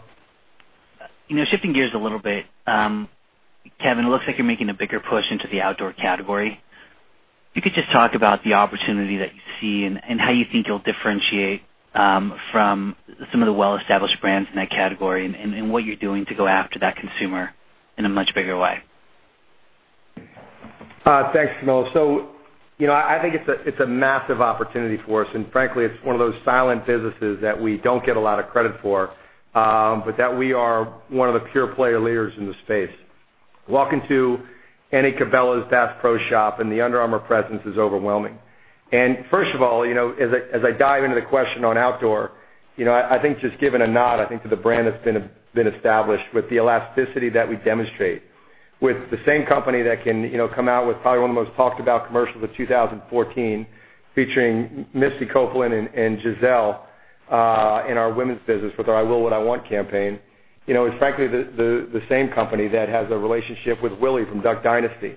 Shifting gears a little bit. Kevin, it looks like you're making a bigger push into the outdoor category. If you could just talk about the opportunity that you see and how you think you'll differentiate from some of the well-established brands in that category and what you're doing to go after that consumer in a much bigger way. Thanks, Camilo. I think it's a massive opportunity for us, and frankly, it's one of those silent businesses that we don't get a lot of credit for, but that we are one of the pure player leaders in the space. Walk into any Cabela's Bass Pro Shops and the Under Armour presence is overwhelming. First of all, as I dive into the question on outdoor, I think just giving a nod, I think, to the brand that's been established with the elasticity that we demonstrate. With the same company that can come out with probably one of the most talked about commercials of 2014 featuring Misty Copeland and Gisele in our women's business with our I Will What I Want campaign, is frankly the same company that has a relationship with Willie from "Duck Dynasty."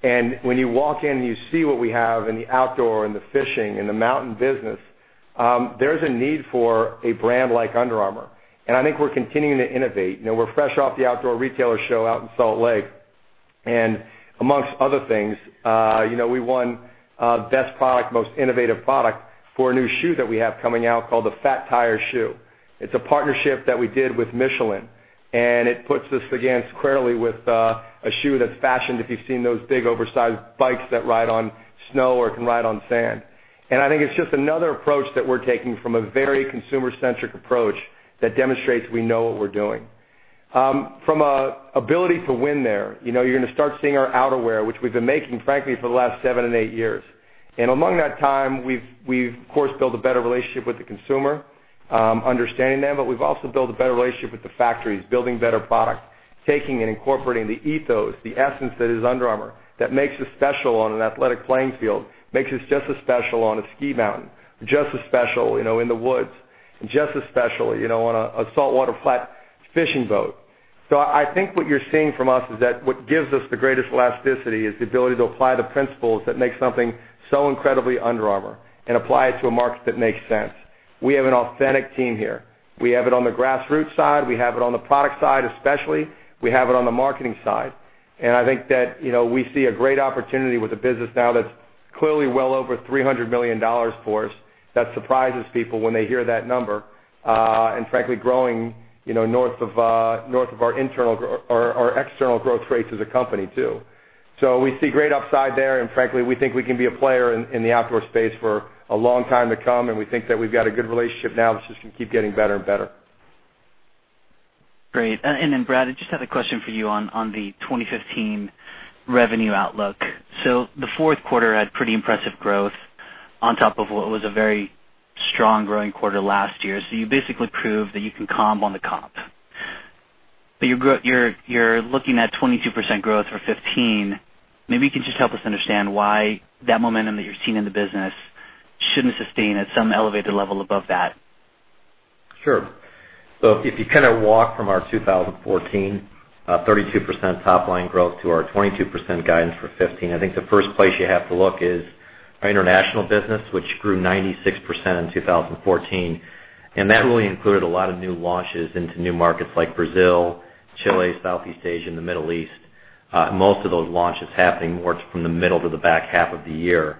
When you walk in and you see what we have in the outdoor and the fishing and the mountain business, there's a need for a brand like Under Armour. I think we're continuing to innovate. We're fresh off the Outdoor Retailer show out in Salt Lake, and amongst other things, we won best product, most innovative product for a new shoe that we have coming out called the Fat Tire shoe. It's a partnership that we did with Michelin. It puts us again squarely with a shoe that's fashioned, if you've seen those big oversized bikes that ride on snow or can ride on sand. I think it's just another approach that we're taking from a very consumer-centric approach that demonstrates we know what we're doing. From an ability to win there, you're going to start seeing our outerwear, which we've been making, frankly, for the last seven and eight years. Among that time, we've, of course, built a better relationship with the consumer, understanding them, but we've also built a better relationship with the factories, building better product, taking and incorporating the ethos, the essence that is Under Armour, that makes us special on an athletic playing field, makes us just as special on a ski mountain, just as special in the woods, and just as special on a saltwater flat fishing boat. I think what you're seeing from us is that what gives us the greatest elasticity is the ability to apply the principles that make something so incredibly Under Armour and apply it to a market that makes sense. We have an authentic team here. We have it on the grassroots side, we have it on the product side especially, we have it on the marketing side. I think that we see a great opportunity with a business now that's clearly well over $300 million for us. That surprises people when they hear that number. Frankly, growing north of our external growth rates as a company, too. We see great upside there, and frankly, we think we can be a player in the outdoor space for a long time to come, and we think that we've got a good relationship now that's just going to keep getting better and better. Great. Brad, I just had a question for you on the 2015 revenue outlook. The fourth quarter had pretty impressive growth on top of what was a very strong growing quarter last year. You basically proved that you can comp on the comp. You're looking at 22% growth for 2015. Maybe you can just help us understand why that momentum that you're seeing in the business shouldn't sustain at some elevated level above that. Sure. If you walk from our 2014 32% top-line growth to our 22% guidance for 2015, I think the first place you have to look is our international business, which grew 96% in 2014. That really included a lot of new launches into new markets like Brazil, Chile, Southeast Asia, and the Middle East. Most of those launches happening more from the middle to the back half of the year.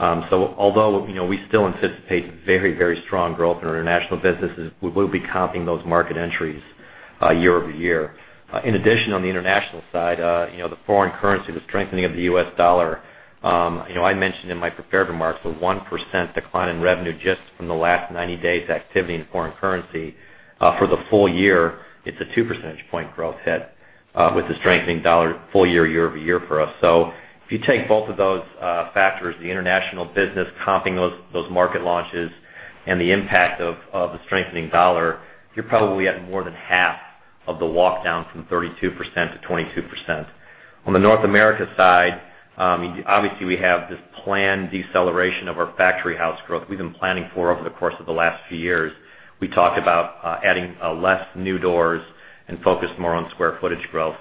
Although we still anticipate very strong growth in our international businesses, we will be comping those market entries year-over-year. In addition, on the international side, the foreign currency, the strengthening of the U.S. dollar. I mentioned in my prepared remarks, the 1% decline in revenue just from the last 90 days' activity in foreign currency. For the full year, it's a 2 percentage point growth hit with the strengthening dollar full year-over-year for us. If you take both of those factors, the international business comping those market launches and the impact of the strengthening dollar, you're probably at more than half of the walk down from 32% to 22%. On the North America side, obviously we have this planned deceleration of our Factory House growth we've been planning for over the course of the last few years. We talked about adding less new doors and focus more on square footage growth.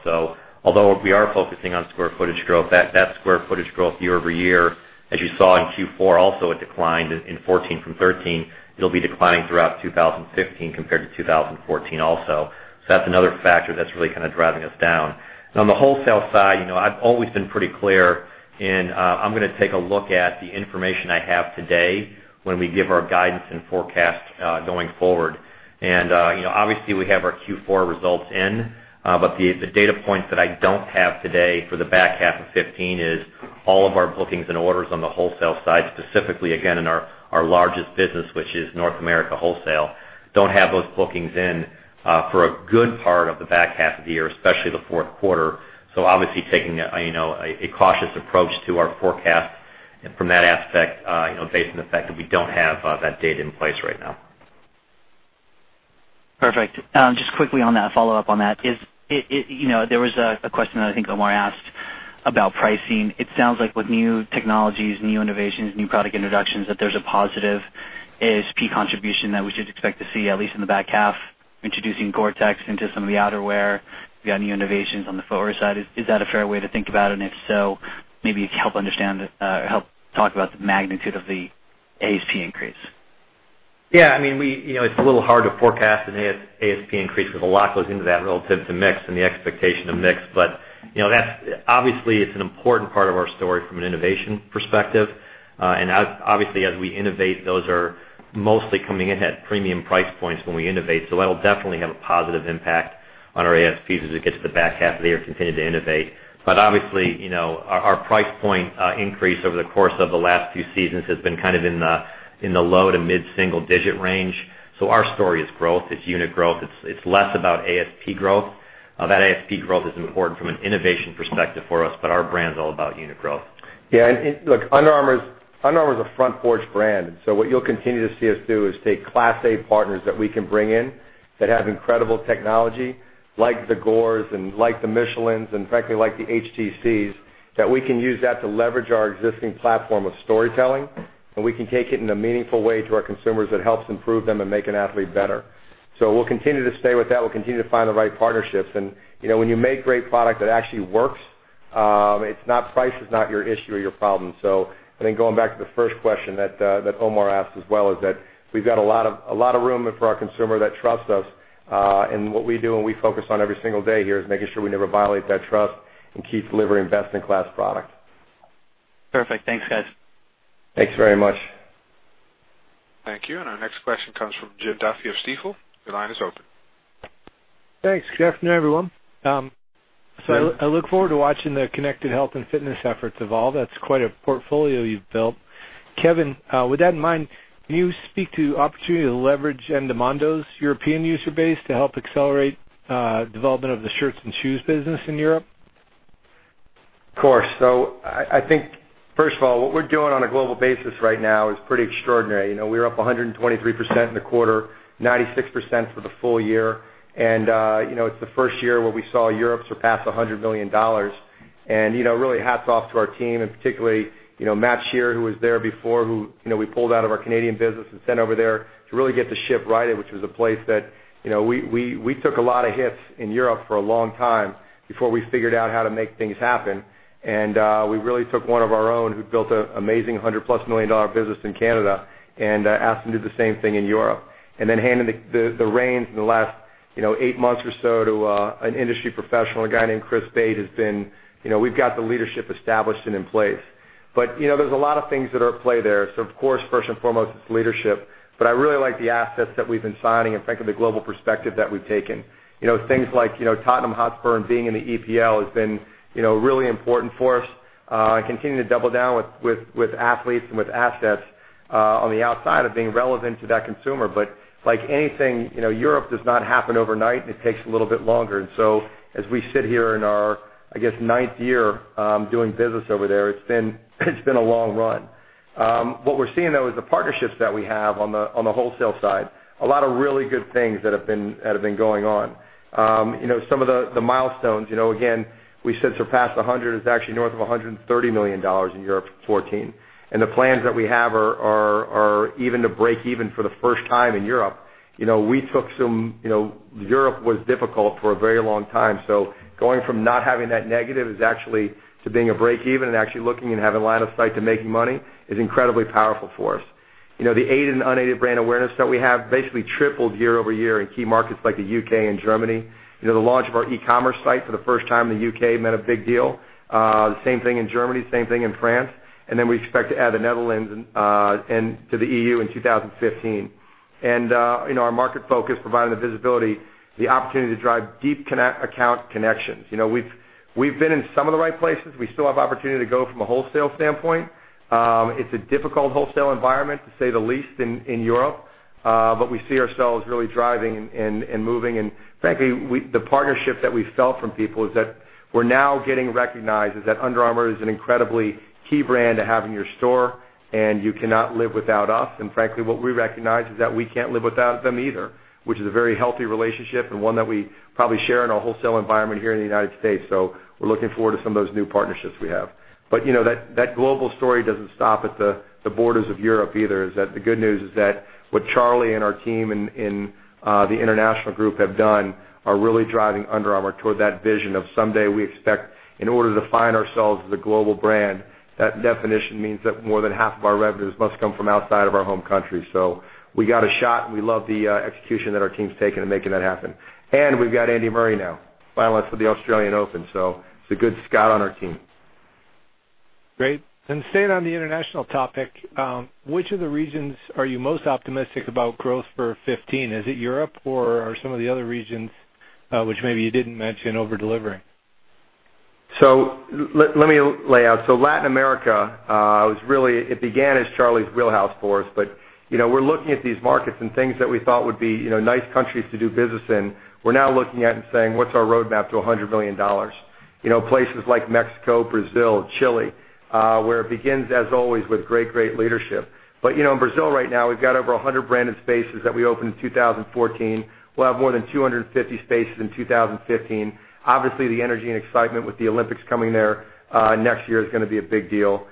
Although we are focusing on square footage growth, that square footage growth year-over-year, as you saw in Q4 also it declined in 2014 from 2013. It will be declining throughout 2015 compared to 2014, also. That's another factor that's really driving us down. On the wholesale side, I've always been pretty clear in, I am going to take a look at the information I have today when we give our guidance and forecast going forward. Obviously we have our Q4 results in. The data points that I don't have today for the back half of 2015 is all of our bookings and orders on the wholesale side, specifically, again, in our largest business, which is North America wholesale, don't have those bookings in for a good part of the back half of the year, especially the fourth quarter. Obviously taking a cautious approach to our forecast from that aspect based on the fact that we don't have that data in place right now. Perfect. Just quickly on that, follow up on that. There was a question that I think Omar asked about pricing. It sounds like with new technologies, new innovations, new product introductions, that there's a positive ASP contribution that we should expect to see, at least in the back half, introducing GORE-TEX into some of the outerwear. We got new innovations on the footwear side. Is that a fair way to think about it? If so, maybe you can help talk about the magnitude of the ASP increase. Yeah, it's a little hard to forecast an ASP increase because a lot goes into that relative to mix and the expectation of mix. Obviously, it's an important part of our story from an innovation perspective. Obviously, as we innovate, those are mostly coming in at premium price points when we innovate. That'll definitely have a positive impact on our ASPs as we get to the back half of the year, continue to innovate. Obviously, our price point increase over the course of the last few seasons has been in the low to mid-single-digit range. Our story is growth. It's unit growth. It's less about ASP growth. That ASP growth is important from an innovation perspective for us, but our brand's all about unit growth. Yeah, look, Under Armour's a front porch brand. What you'll continue to see us do is take class A partners that we can bring in that have incredible technology like the Gores and like the Michelins, and frankly, like the HTCs, that we can use that to leverage our existing platform of storytelling, and we can take it in a meaningful way to our consumers that helps improve them and make an athlete better. We'll continue to stay with that. We'll continue to find the right partnerships. When you make great product that actually works, price is not your issue or your problem. I think going back to the first question that Omar asked as well, is that we've got a lot of room for our consumer that trusts us. What we do and we focus on every single day here is making sure we never violate that trust and keep delivering best-in-class product. Perfect. Thanks, guys. Thanks very much. Thank you. Our next question comes from Jim Duffy of Stifel. Your line is open. Thanks. Good afternoon, everyone. I look forward to watching the connected health and fitness efforts evolve. That's quite a portfolio you've built. Kevin, with that in mind, can you speak to opportunity to leverage Endomondo's European user base to help accelerate development of the shirts and shoes business in Europe? Of course. I think, first of all, what we're doing on a global basis right now is pretty extraordinary. We were up 123% in the quarter, 96% for the full year. It's the first year where we saw Europe surpass $100 million. Really, hats off to our team, and particularly, Matt Shearer, who was there before, who we pulled out of our Canadian business and sent over there to really get the ship righted, which was a place that we took a lot of hits in Europe for a long time before we figured out how to make things happen. We really took one of our own who'd built an amazing 100-plus million dollar business in Canada and asked him to do the same thing in Europe. Handing the reins in the last eight months or so to an industry professional, a guy named Chris Bate. We've got the leadership established and in place. There's a lot of things that are at play there. Of course, first and foremost, it's leadership. I really like the assets that we've been signing and frankly, the global perspective that we've taken. Things like Tottenham Hotspur and being in the EPL has been really important for us, and continuing to double down with athletes and with assets on the outside of being relevant to that consumer. Like anything, Europe does not happen overnight, and it takes a little bit longer. As we sit here in our, I guess, ninth year doing business over there, it's been a long run. What we're seeing, though, is the partnerships that we have on the wholesale side, a lot of really good things that have been going on. Some of the milestones, again, we said surpassed $100 million, it's actually north of $130 million in Europe for 2014. The plans that we have are even to break even for the first time in Europe. Europe was difficult for a very long time. Going from not having that negative is actually to being a break even and actually looking and having a line of sight to making money is incredibly powerful for us. The aided and unaided brand awareness that we have basically tripled year-over-year in key markets like the U.K. and Germany. The launch of our e-commerce site for the first time in the U.K. meant a big deal. The same thing in Germany, same thing in France. We expect to add the Netherlands to the EU in 2015. Our market focus, providing the visibility, the opportunity to drive deep account connections. We've been in some of the right places. We still have opportunity to go from a wholesale standpoint. It's a difficult wholesale environment, to say the least, in Europe. We see ourselves really driving and moving. Frankly, the partnership that we felt from people is that we're now getting recognized as that Under Armour is an incredibly key brand to have in your store, and you cannot live without us. Frankly, what we recognize is that we can't live without them either, which is a very healthy relationship and one that we probably share in our wholesale environment here in the United States. We're looking forward to some of those new partnerships we have. That global story doesn't stop at the borders of Europe either. The good news is that what Charlie and our team in the international group have done are really driving Under Armour toward that vision of someday we expect in order to define ourselves as a global brand, that definition means that more than half of our revenues must come from outside of our home country. We got a shot, and we love the execution that our team's taken in making that happen. We've got Andy Murray now, finalists for the Australian Open. It's a good scout on our team. Staying on the international topic, which of the regions are you most optimistic about growth for 2015? Is it Europe or are some of the other regions, which maybe you didn't mention, over-delivering? Let me lay out. Latin America, it began as Charlie's wheelhouse for us. We're looking at these markets and things that we thought would be nice countries to do business in. We're now looking at and saying, "What's our roadmap to $100 million?" Places like Mexico, Brazil, Chile where it begins, as always, with great leadership. In Brazil right now, we've got over 100 branded spaces that we opened in 2014. We'll have more than 250 spaces in 2015. Obviously, the energy and excitement with the Olympics coming there next year is going to be a big deal.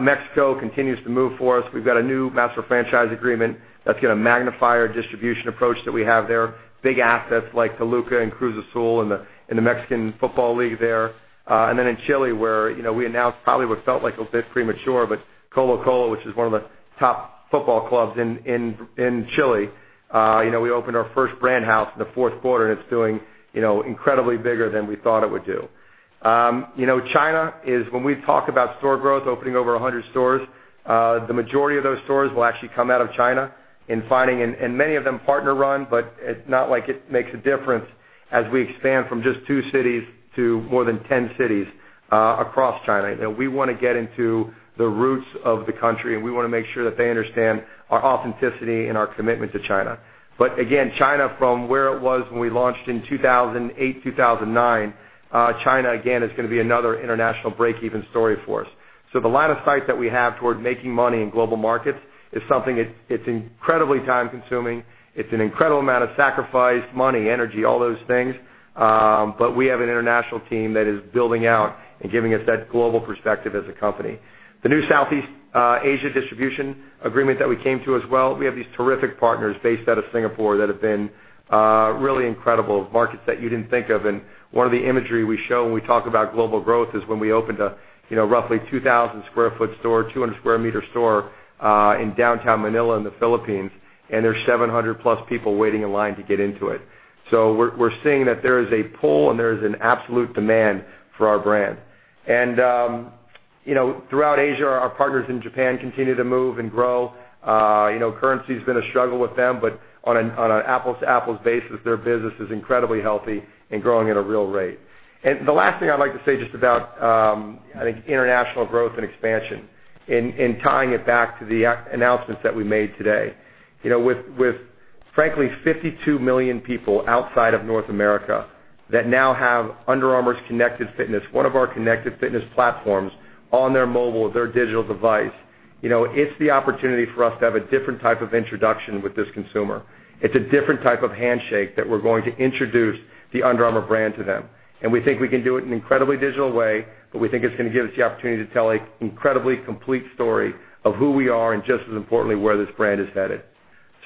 Mexico continues to move for us. We've got a new master franchise agreement that's going to magnify our distribution approach that we have there. Big assets like Toluca and Cruz Azul in the Mexican football league there. In Chile, where we announced probably what felt like a bit premature, Colo-Colo, which is one of the top football clubs in Chile, we opened our first Brand House in the fourth quarter, and it's doing incredibly bigger than we thought it would do. China is when we talk about store growth, opening over 100 stores, the majority of those stores will actually come out of China and many of them partner-run, but it's not like it makes a difference as we expand from just two cities to more than 10 cities across China. We want to get into the roots of the country, and we want to make sure that they understand our authenticity and our commitment to China. Again, China, from where it was when we launched in 2008, 2009, China again is going to be another international break-even story for us. The line of sight that we have toward making money in global markets is something, it's incredibly time-consuming. It's an incredible amount of sacrifice, money, energy, all those things. We have an international team that is building out and giving us that global perspective as a company. The new Southeast Asia distribution agreement that we came to as well, we have these terrific partners based out of Singapore that have been really incredible markets that you didn't think of. One of the imagery we show when we talk about global growth is when we opened a roughly 2,000 sq ft store, 200 sq m store in downtown Manila in the Philippines, and there's 700+ people waiting in line to get into it. We're seeing that there is a pull and there is an absolute demand for our brand. Throughout Asia, our partners in Japan continue to move and grow. Currency has been a struggle with them, but on an apples-to-apples basis, their business is incredibly healthy and growing at a real rate. The last thing I'd like to say just about international growth and expansion and tying it back to the announcements that we made today. With frankly 52 million people outside of North America that now have Under Armour Connected Fitness, one of our connected fitness platforms on their mobile, their digital device, it's the opportunity for us to have a different type of introduction with this consumer. It's a different type of handshake that we're going to introduce the Under Armour brand to them. We think we can do it in an incredibly digital way, but we think it's going to give us the opportunity to tell an incredibly complete story of who we are and just as importantly, where this brand is headed.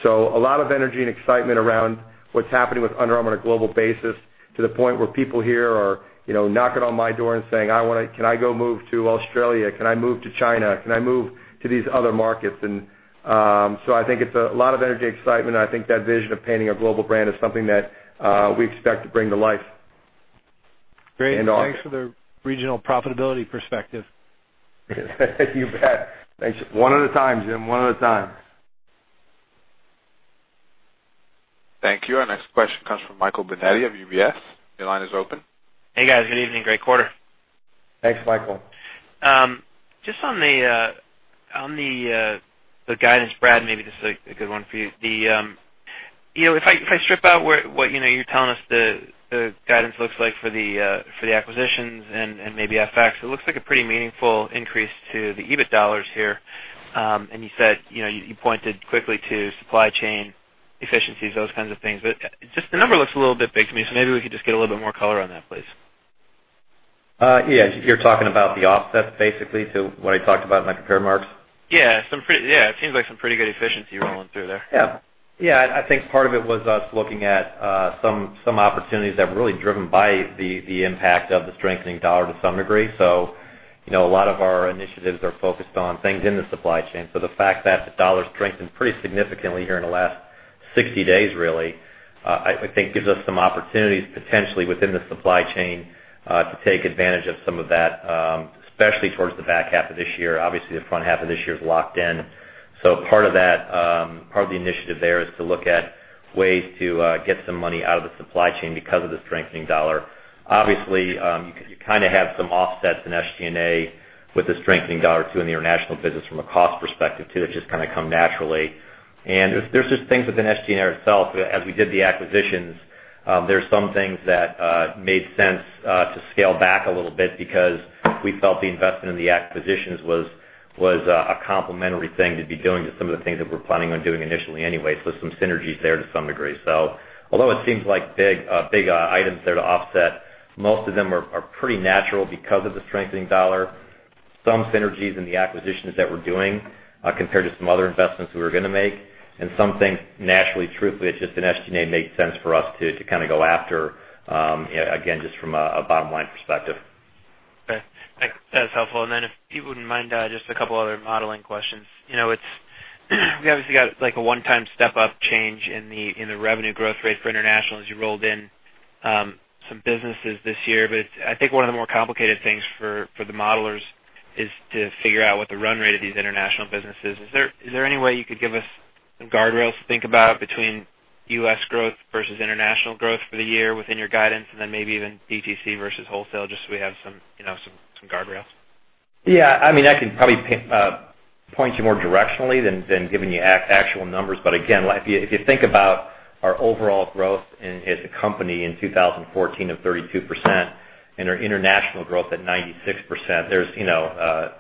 A lot of energy and excitement around what's happening with Under Armour on a global basis to the point where people here are knocking on my door and saying, "Can I go move to Australia? Can I move to China? Can I move to these other markets?" I think it's a lot of energy, excitement, and I think that vision of painting a global brand is something that we expect to bring to life. Great. Thanks for the regional profitability perspective. You bet. One at a time, Jim. One at a time. Thank you. Our next question comes from Michael Binetti of UBS. Your line is open. Hey, guys. Good evening. Great quarter. Thanks, Michael. Just on the guidance, Brad, maybe this is a good one for you. If I strip out what you're telling us the guidance looks like for the acquisitions and maybe FX, it looks like a pretty meaningful increase to the EBIT dollars here. You pointed quickly to supply chain efficiencies, those kinds of things. Just the number looks a little bit big to me, so maybe we could just get a little bit more color on that, please. Yeah. You're talking about the offset, basically, to what I talked about in my prepared remarks? Yeah. It seems like some pretty good efficiency rolling through there. Yeah. I think part of it was us looking at some opportunities that were really driven by the impact of the strengthening dollar to some degree. A lot of our initiatives are focused on things in the supply chain. The fact that the dollar strengthened pretty significantly here in the last 60 days, really, I think gives us some opportunities, potentially, within the supply chain, to take advantage of some of that, especially towards the back half of this year. Obviously, the front half of this year is locked in. Part of the initiative there is to look at ways to get some money out of the supply chain because of the strengthening dollar. Obviously, you have some offsets in SG&A with the strengthening dollar, too, in the international business from a cost perspective, too. It just come naturally. There's just things within SG&A itself. As we did the acquisitions, there's some things that made sense to scale back a little bit because we felt the investment in the acquisitions was a complementary thing to be doing to some of the things that we're planning on doing initially anyway. Some synergies there to some degree. Although it seems like big items there to offset, most of them are pretty natural because of the strengthening dollar. Some synergies in the acquisitions that we're doing, compared to some other investments we were going to make, and some things naturally, truthfully, it just in SG&A made sense for us to go after, again, just from a bottom-line perspective. That's helpful. If you wouldn't mind, just a couple other modeling questions. We obviously got like a one-time step-up change in the revenue growth rate for international as you rolled in some businesses this year. I think one of the more complicated things for the modelers is to figure out what the run rate of these international businesses. Is there any way you could give us some guardrails to think about between U.S. growth versus international growth for the year within your guidance, and then maybe even DTC versus wholesale, just so we have some guardrails? Yeah. I can probably point you more directionally than giving you actual numbers. Again, if you think about our overall growth as a company in 2014 of 32%, and our international growth at 96%, there's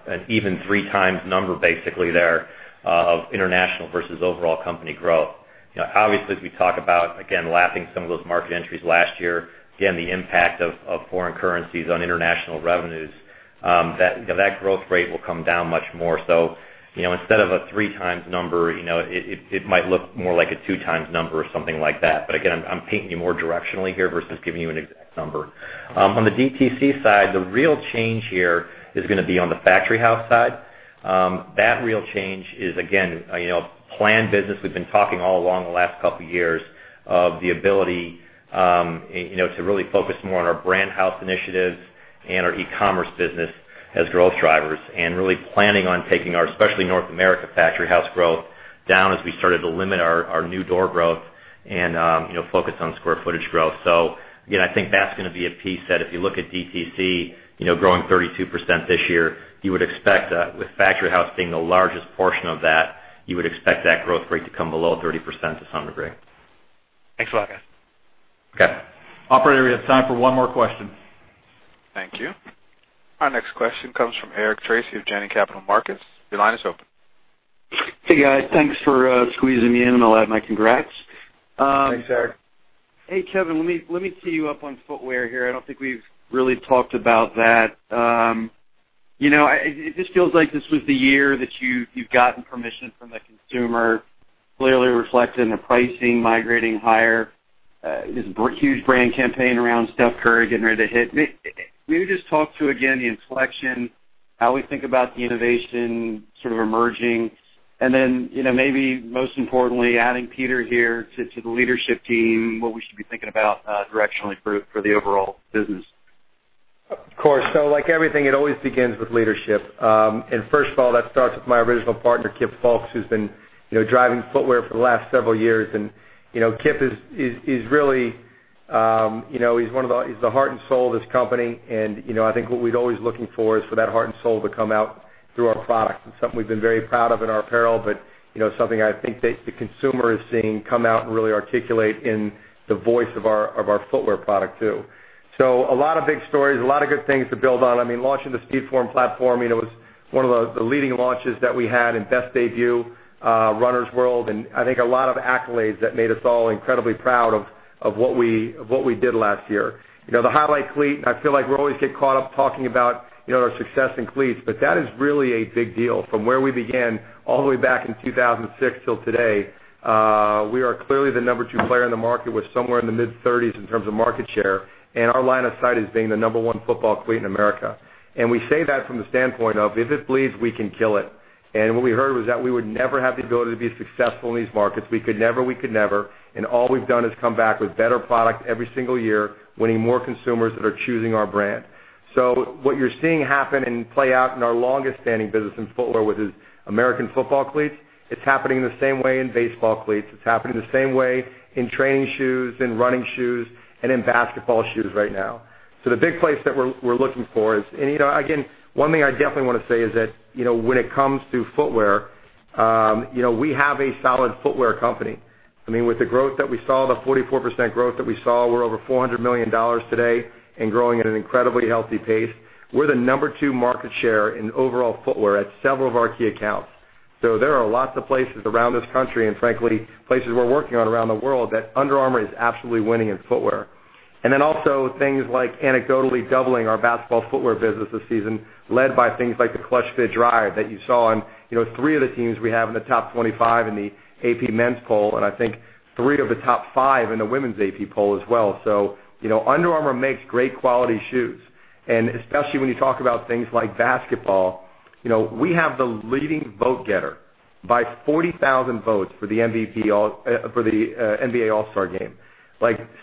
an even three times number basically there of international versus overall company growth. Obviously, as we talk about, again, lapping some of those market entries last year. Again, the impact of foreign currencies on international revenues, that growth rate will come down much more. Instead of a three times number, it might look more like a two times number or something like that. Again, I'm painting you more directionally here versus giving you an exact number. On the DTC side, the real change here is going to be on the Factory House side. That real change is, again, planned business. We've been talking all along the last couple of years of the ability to really focus more on our Brand House initiatives and our e-commerce business as growth drivers, and really planning on taking our, especially North America, Factory House growth down as we started to limit our new door growth and focus on square footage growth. Again, I think that's going to be a piece that if you look at DTC growing 32% this year, with Factory House being the largest portion of that, you would expect that growth rate to come below 30% to some degree. Thanks a lot, guys. Okay. Operator, we have time for one more question. Thank you. Our next question comes from Eric Tracy of Janney Capital Markets. Your line is open. Hey, guys. Thanks for squeezing me in. I'll add my congrats. Thanks, Eric. Hey, Kevin. Let me tee you up on footwear here. I don't think we've really talked about that. It just feels like this was the year that you've gotten permission from the consumer, clearly reflected in the pricing migrating higher. This huge brand campaign around Stephen Curry getting ready to hit. Maybe just talk to, again, the inflection, how we think about the innovation sort of emerging. Then, maybe most importantly, adding Peter Ruppe here to the leadership team, what we should be thinking about directionally for the overall business. Of course. Like everything, it always begins with leadership. First of all, that starts with my original partner, Kip Fulks, who's been driving footwear for the last several years. Kip is the heart and soul of this company, and I think what we're always looking for is for that heart and soul to come out through our product. It's something we've been very proud of in our apparel, but something I think that the consumer is seeing come out and really articulate in the voice of our footwear product, too. A lot of big stories, a lot of good things to build on. Launching the SpeedForm platform, it was one of the leading launches that we had and best debut, Runner's World, I think a lot of accolades that made us all incredibly proud of what we did last year. The Highlight cleat, I feel like we always get caught up talking about our success in cleats, but that is really a big deal. From where we began all the way back in 2006 till today, we are clearly the number two player in the market. We're somewhere in the mid-30s in terms of market share, and our line of sight is being the number one football cleat in America. We say that from the standpoint of, if it bleeds, we can kill it. What we heard was that we would never have the ability to be successful in these markets. We could never. All we've done is come back with better product every single year, winning more consumers that are choosing our brand. What you're seeing happen and play out in our longest-standing business in footwear, which is American football cleats, it's happening the same way in baseball cleats. It's happening the same way in training shoes, in running shoes, and in basketball shoes right now. The big place that we're looking for is. Again, one thing I definitely want to say is that when it comes to footwear we have a solid footwear company. With the growth that we saw, the 44% growth that we saw, we're over $400 million today and growing at an incredibly healthy pace. We're the number two market share in overall footwear at several of our key accounts. There are lots of places around this country, and frankly, places we're working on around the world, that Under Armour is absolutely winning in footwear. Also things like anecdotally doubling our basketball footwear business this season, led by things like the ClutchFit Drive that you saw in three of the teams we have in the top 25 in the AP men's poll, and I think three of the top five in the women's AP poll as well. Under Armour makes great quality shoes. Especially when you talk about things like basketball, we have the leading vote-getter by 40,000 votes for the NBA All-Star Game.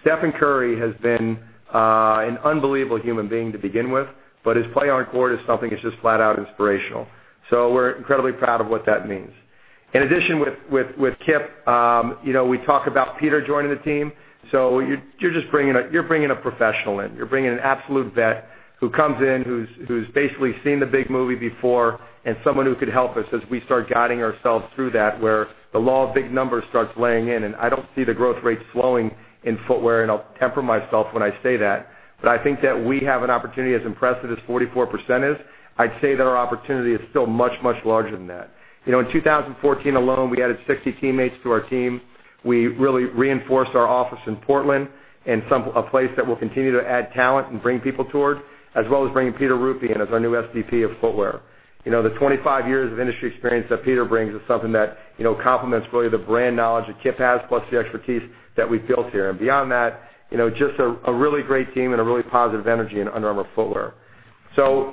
Stephen Curry has been an unbelievable human being to begin with, but his play on court is something that's just flat out inspirational. We're incredibly proud of what that means. In addition, with Kip, we talk about Peter joining the team. You're bringing a professional in. You're bringing an absolute vet who comes in, who's basically seen the big movie before, and someone who could help us as we start guiding ourselves through that, where the law of big numbers starts laying in. I don't see the growth rate slowing in footwear, and I'll temper myself when I say that. I think that we have an opportunity, as impressive as 44% is, I'd say that our opportunity is still much, much larger than that. In 2014 alone, we added 60 teammates to our team. We really reinforced our office in Portland, and a place that we'll continue to add talent and bring people toward, as well as bringing Peter Ruppe in as our new SVP of footwear. The 25 years of industry experience that Peter brings is something that complements really the brand knowledge that Kip has, plus the expertise that we've built here. Beyond that, just a really great team and a really positive energy in Under Armour footwear.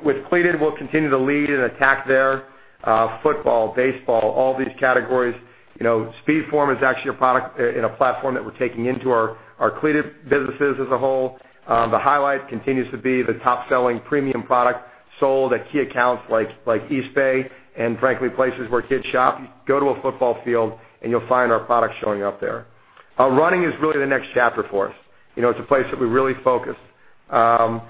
With Cleated, we'll continue to lead and attack there. Football, baseball, all these categories. SpeedForm is actually a product in a platform that we're taking into our Cleated businesses as a whole. The Highlight continues to be the top-selling premium product sold at key accounts like Eastbay and frankly, places where kids shop. Go to a football field and you'll find our products showing up there. Running is really the next chapter for us. It's a place that we're really focused. The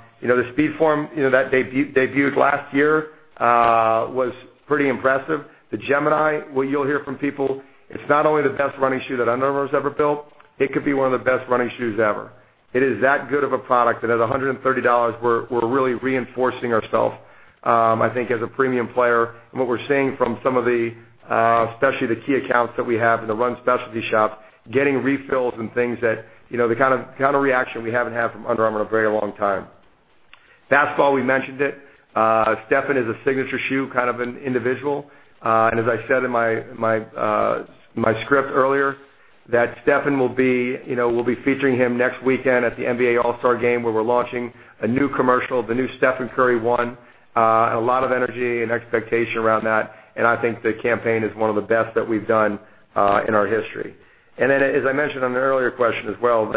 SpeedForm that debuted last year was pretty impressive. The Gemini, what you'll hear from people, it's not only the best running shoe that Under Armour's ever built, it could be one of the best running shoes ever. It is that good of a product, and at $130, we're really reinforcing ourself, I think, as a premium player. What we're seeing from some of the, especially the key accounts that we have in the run specialty shop, getting refills and the kind of reaction we haven't had from Under Armour in a very long time. Basketball, we mentioned it. Stephen is a signature shoe, kind of an individual. As I said in my script earlier, that we'll be featuring him next weekend at the NBA All-Star Game, where we're launching a new commercial, the new Stephen Curry One. A lot of energy and expectation around that. I think the campaign is one of the best that we've done in our history. As I mentioned on an earlier question as well,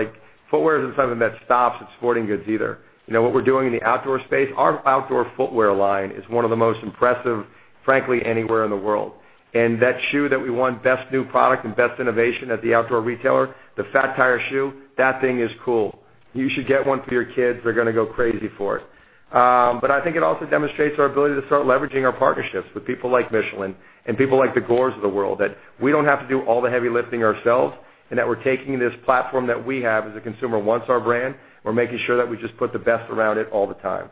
footwear isn't something that stops at sporting goods either. What we're doing in the outdoor space, our outdoor footwear line is one of the most impressive, frankly, anywhere in the world. That shoe that we won best new product and best innovation at the Outdoor Retailer, the Fat Tire shoe, that thing is cool. You should get one for your kids. They're going to go crazy for it. I think it also demonstrates our ability to start leveraging our partnerships with people like Michelin and people like the Gores of the world, that we don't have to do all the heavy lifting ourselves, that we're taking this platform that we have as a consumer wants our brand. We're making sure that we just put the best around it all the time.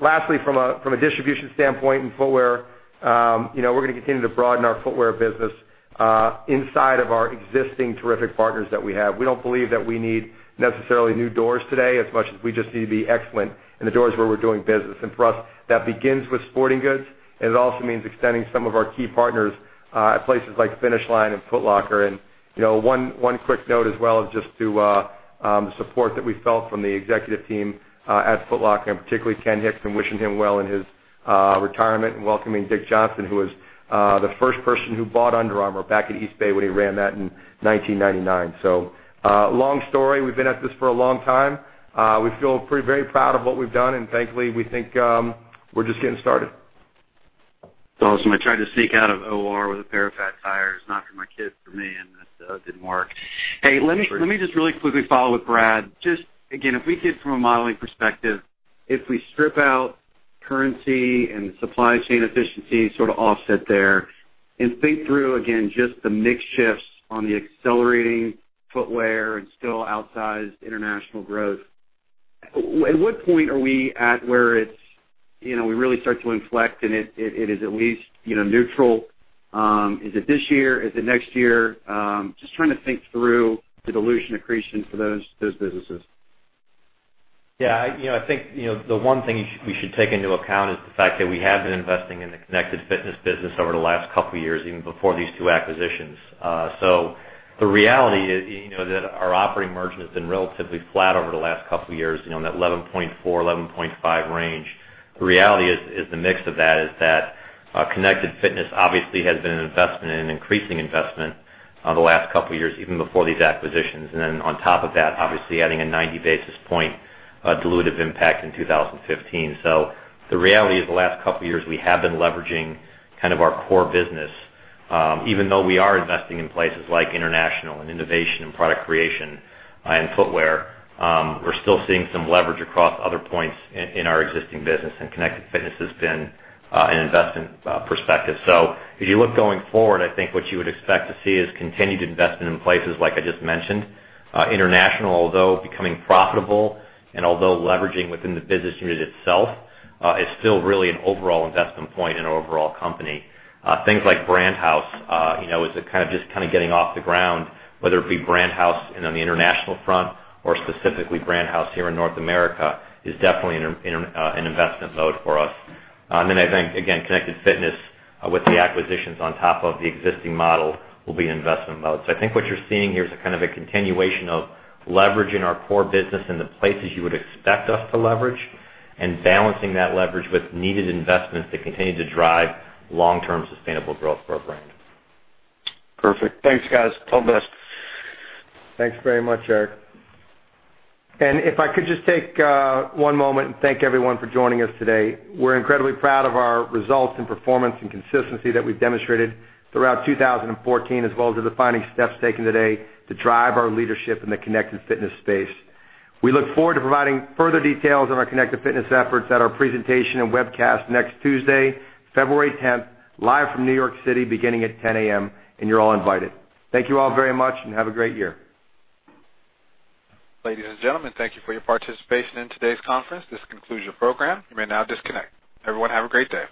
Lastly, from a distribution standpoint in footwear, we're going to continue to broaden our footwear business inside of our existing terrific partners that we have. We don't believe that we need necessarily new doors today as much as we just need to be excellent in the doors where we're doing business. For us, that begins with sporting goods. It also means extending some of our key partners at places like Finish Line and Foot Locker. One quick note as well is just to the support that we felt from the executive team at Foot Locker, particularly Ken Hicks, wishing him well in his retirement and welcoming Dick Johnson, who was the first person who bought Under Armour back at Eastbay when he ran that in 1999. Long story, we've been at this for a long time. We feel very proud of what we've done, thankfully, we think we're just getting started. Awesome. I tried to sneak out of OR with a pair of Fat Tires, not for my kids, for me, that didn't work. Hey, let me just really quickly follow with Brad. Just again, if we could from a modeling perspective, if we strip out currency and supply chain efficiency sort of offset there, think through, again, just the mix shifts on the accelerating footwear still outsized international growth, at what point are we at where we really start to inflect and it is at least neutral? Is it this year? Is it next year? Just trying to think through the dilution accretion for those businesses. Yeah. I think the one thing we should take into account is the fact that we have been investing in the Connected Fitness business over the last couple years, even before these two acquisitions. The reality is that our operating margin has been relatively flat over the last couple years, in that 11.4%, 11.5% range. The reality is the mix of that is that Connected Fitness obviously has been an investment and an increasing investment over the last couple years, even before these acquisitions. Then on top of that, obviously adding a 90 basis point dilutive impact in 2015. The reality is the last couple years, we have been leveraging kind of our core business. Even though we are investing in places like international and innovation and product creation and footwear, we're still seeing some leverage across other points in our existing business, and Connected Fitness has been an investment perspective. If you look going forward, I think what you would expect to see is continued investment in places like I just mentioned. International, although becoming profitable and although leveraging within the business unit itself, is still really an overall investment point in an overall company. Things like Brand House is kind of just getting off the ground, whether it be Brand House on the international front or specifically Brand House here in North America, is definitely in investment mode for us. Then I think, again, Connected Fitness with the acquisitions on top of the existing model will be in investment mode. I think what you're seeing here is a kind of a continuation of leveraging our core business in the places you would expect us to leverage and balancing that leverage with needed investments that continue to drive long-term sustainable growth for our brand. Perfect. Thanks, guys. All the best. Thanks very much, Eric. If I could just take one moment and thank everyone for joining us today. We're incredibly proud of our results and performance and consistency that we've demonstrated throughout 2014, as well as the defining steps taken today to drive our leadership in the connected fitness space. We look forward to providing further details on our connected fitness efforts at our presentation and webcast next Tuesday, February 10th, live from New York City, beginning at 10:00 A.M., and you're all invited. Thank you all very much, and have a great year. Ladies and gentlemen, thank you for your participation in today's conference. This concludes your program. You may now disconnect. Everyone have a great day.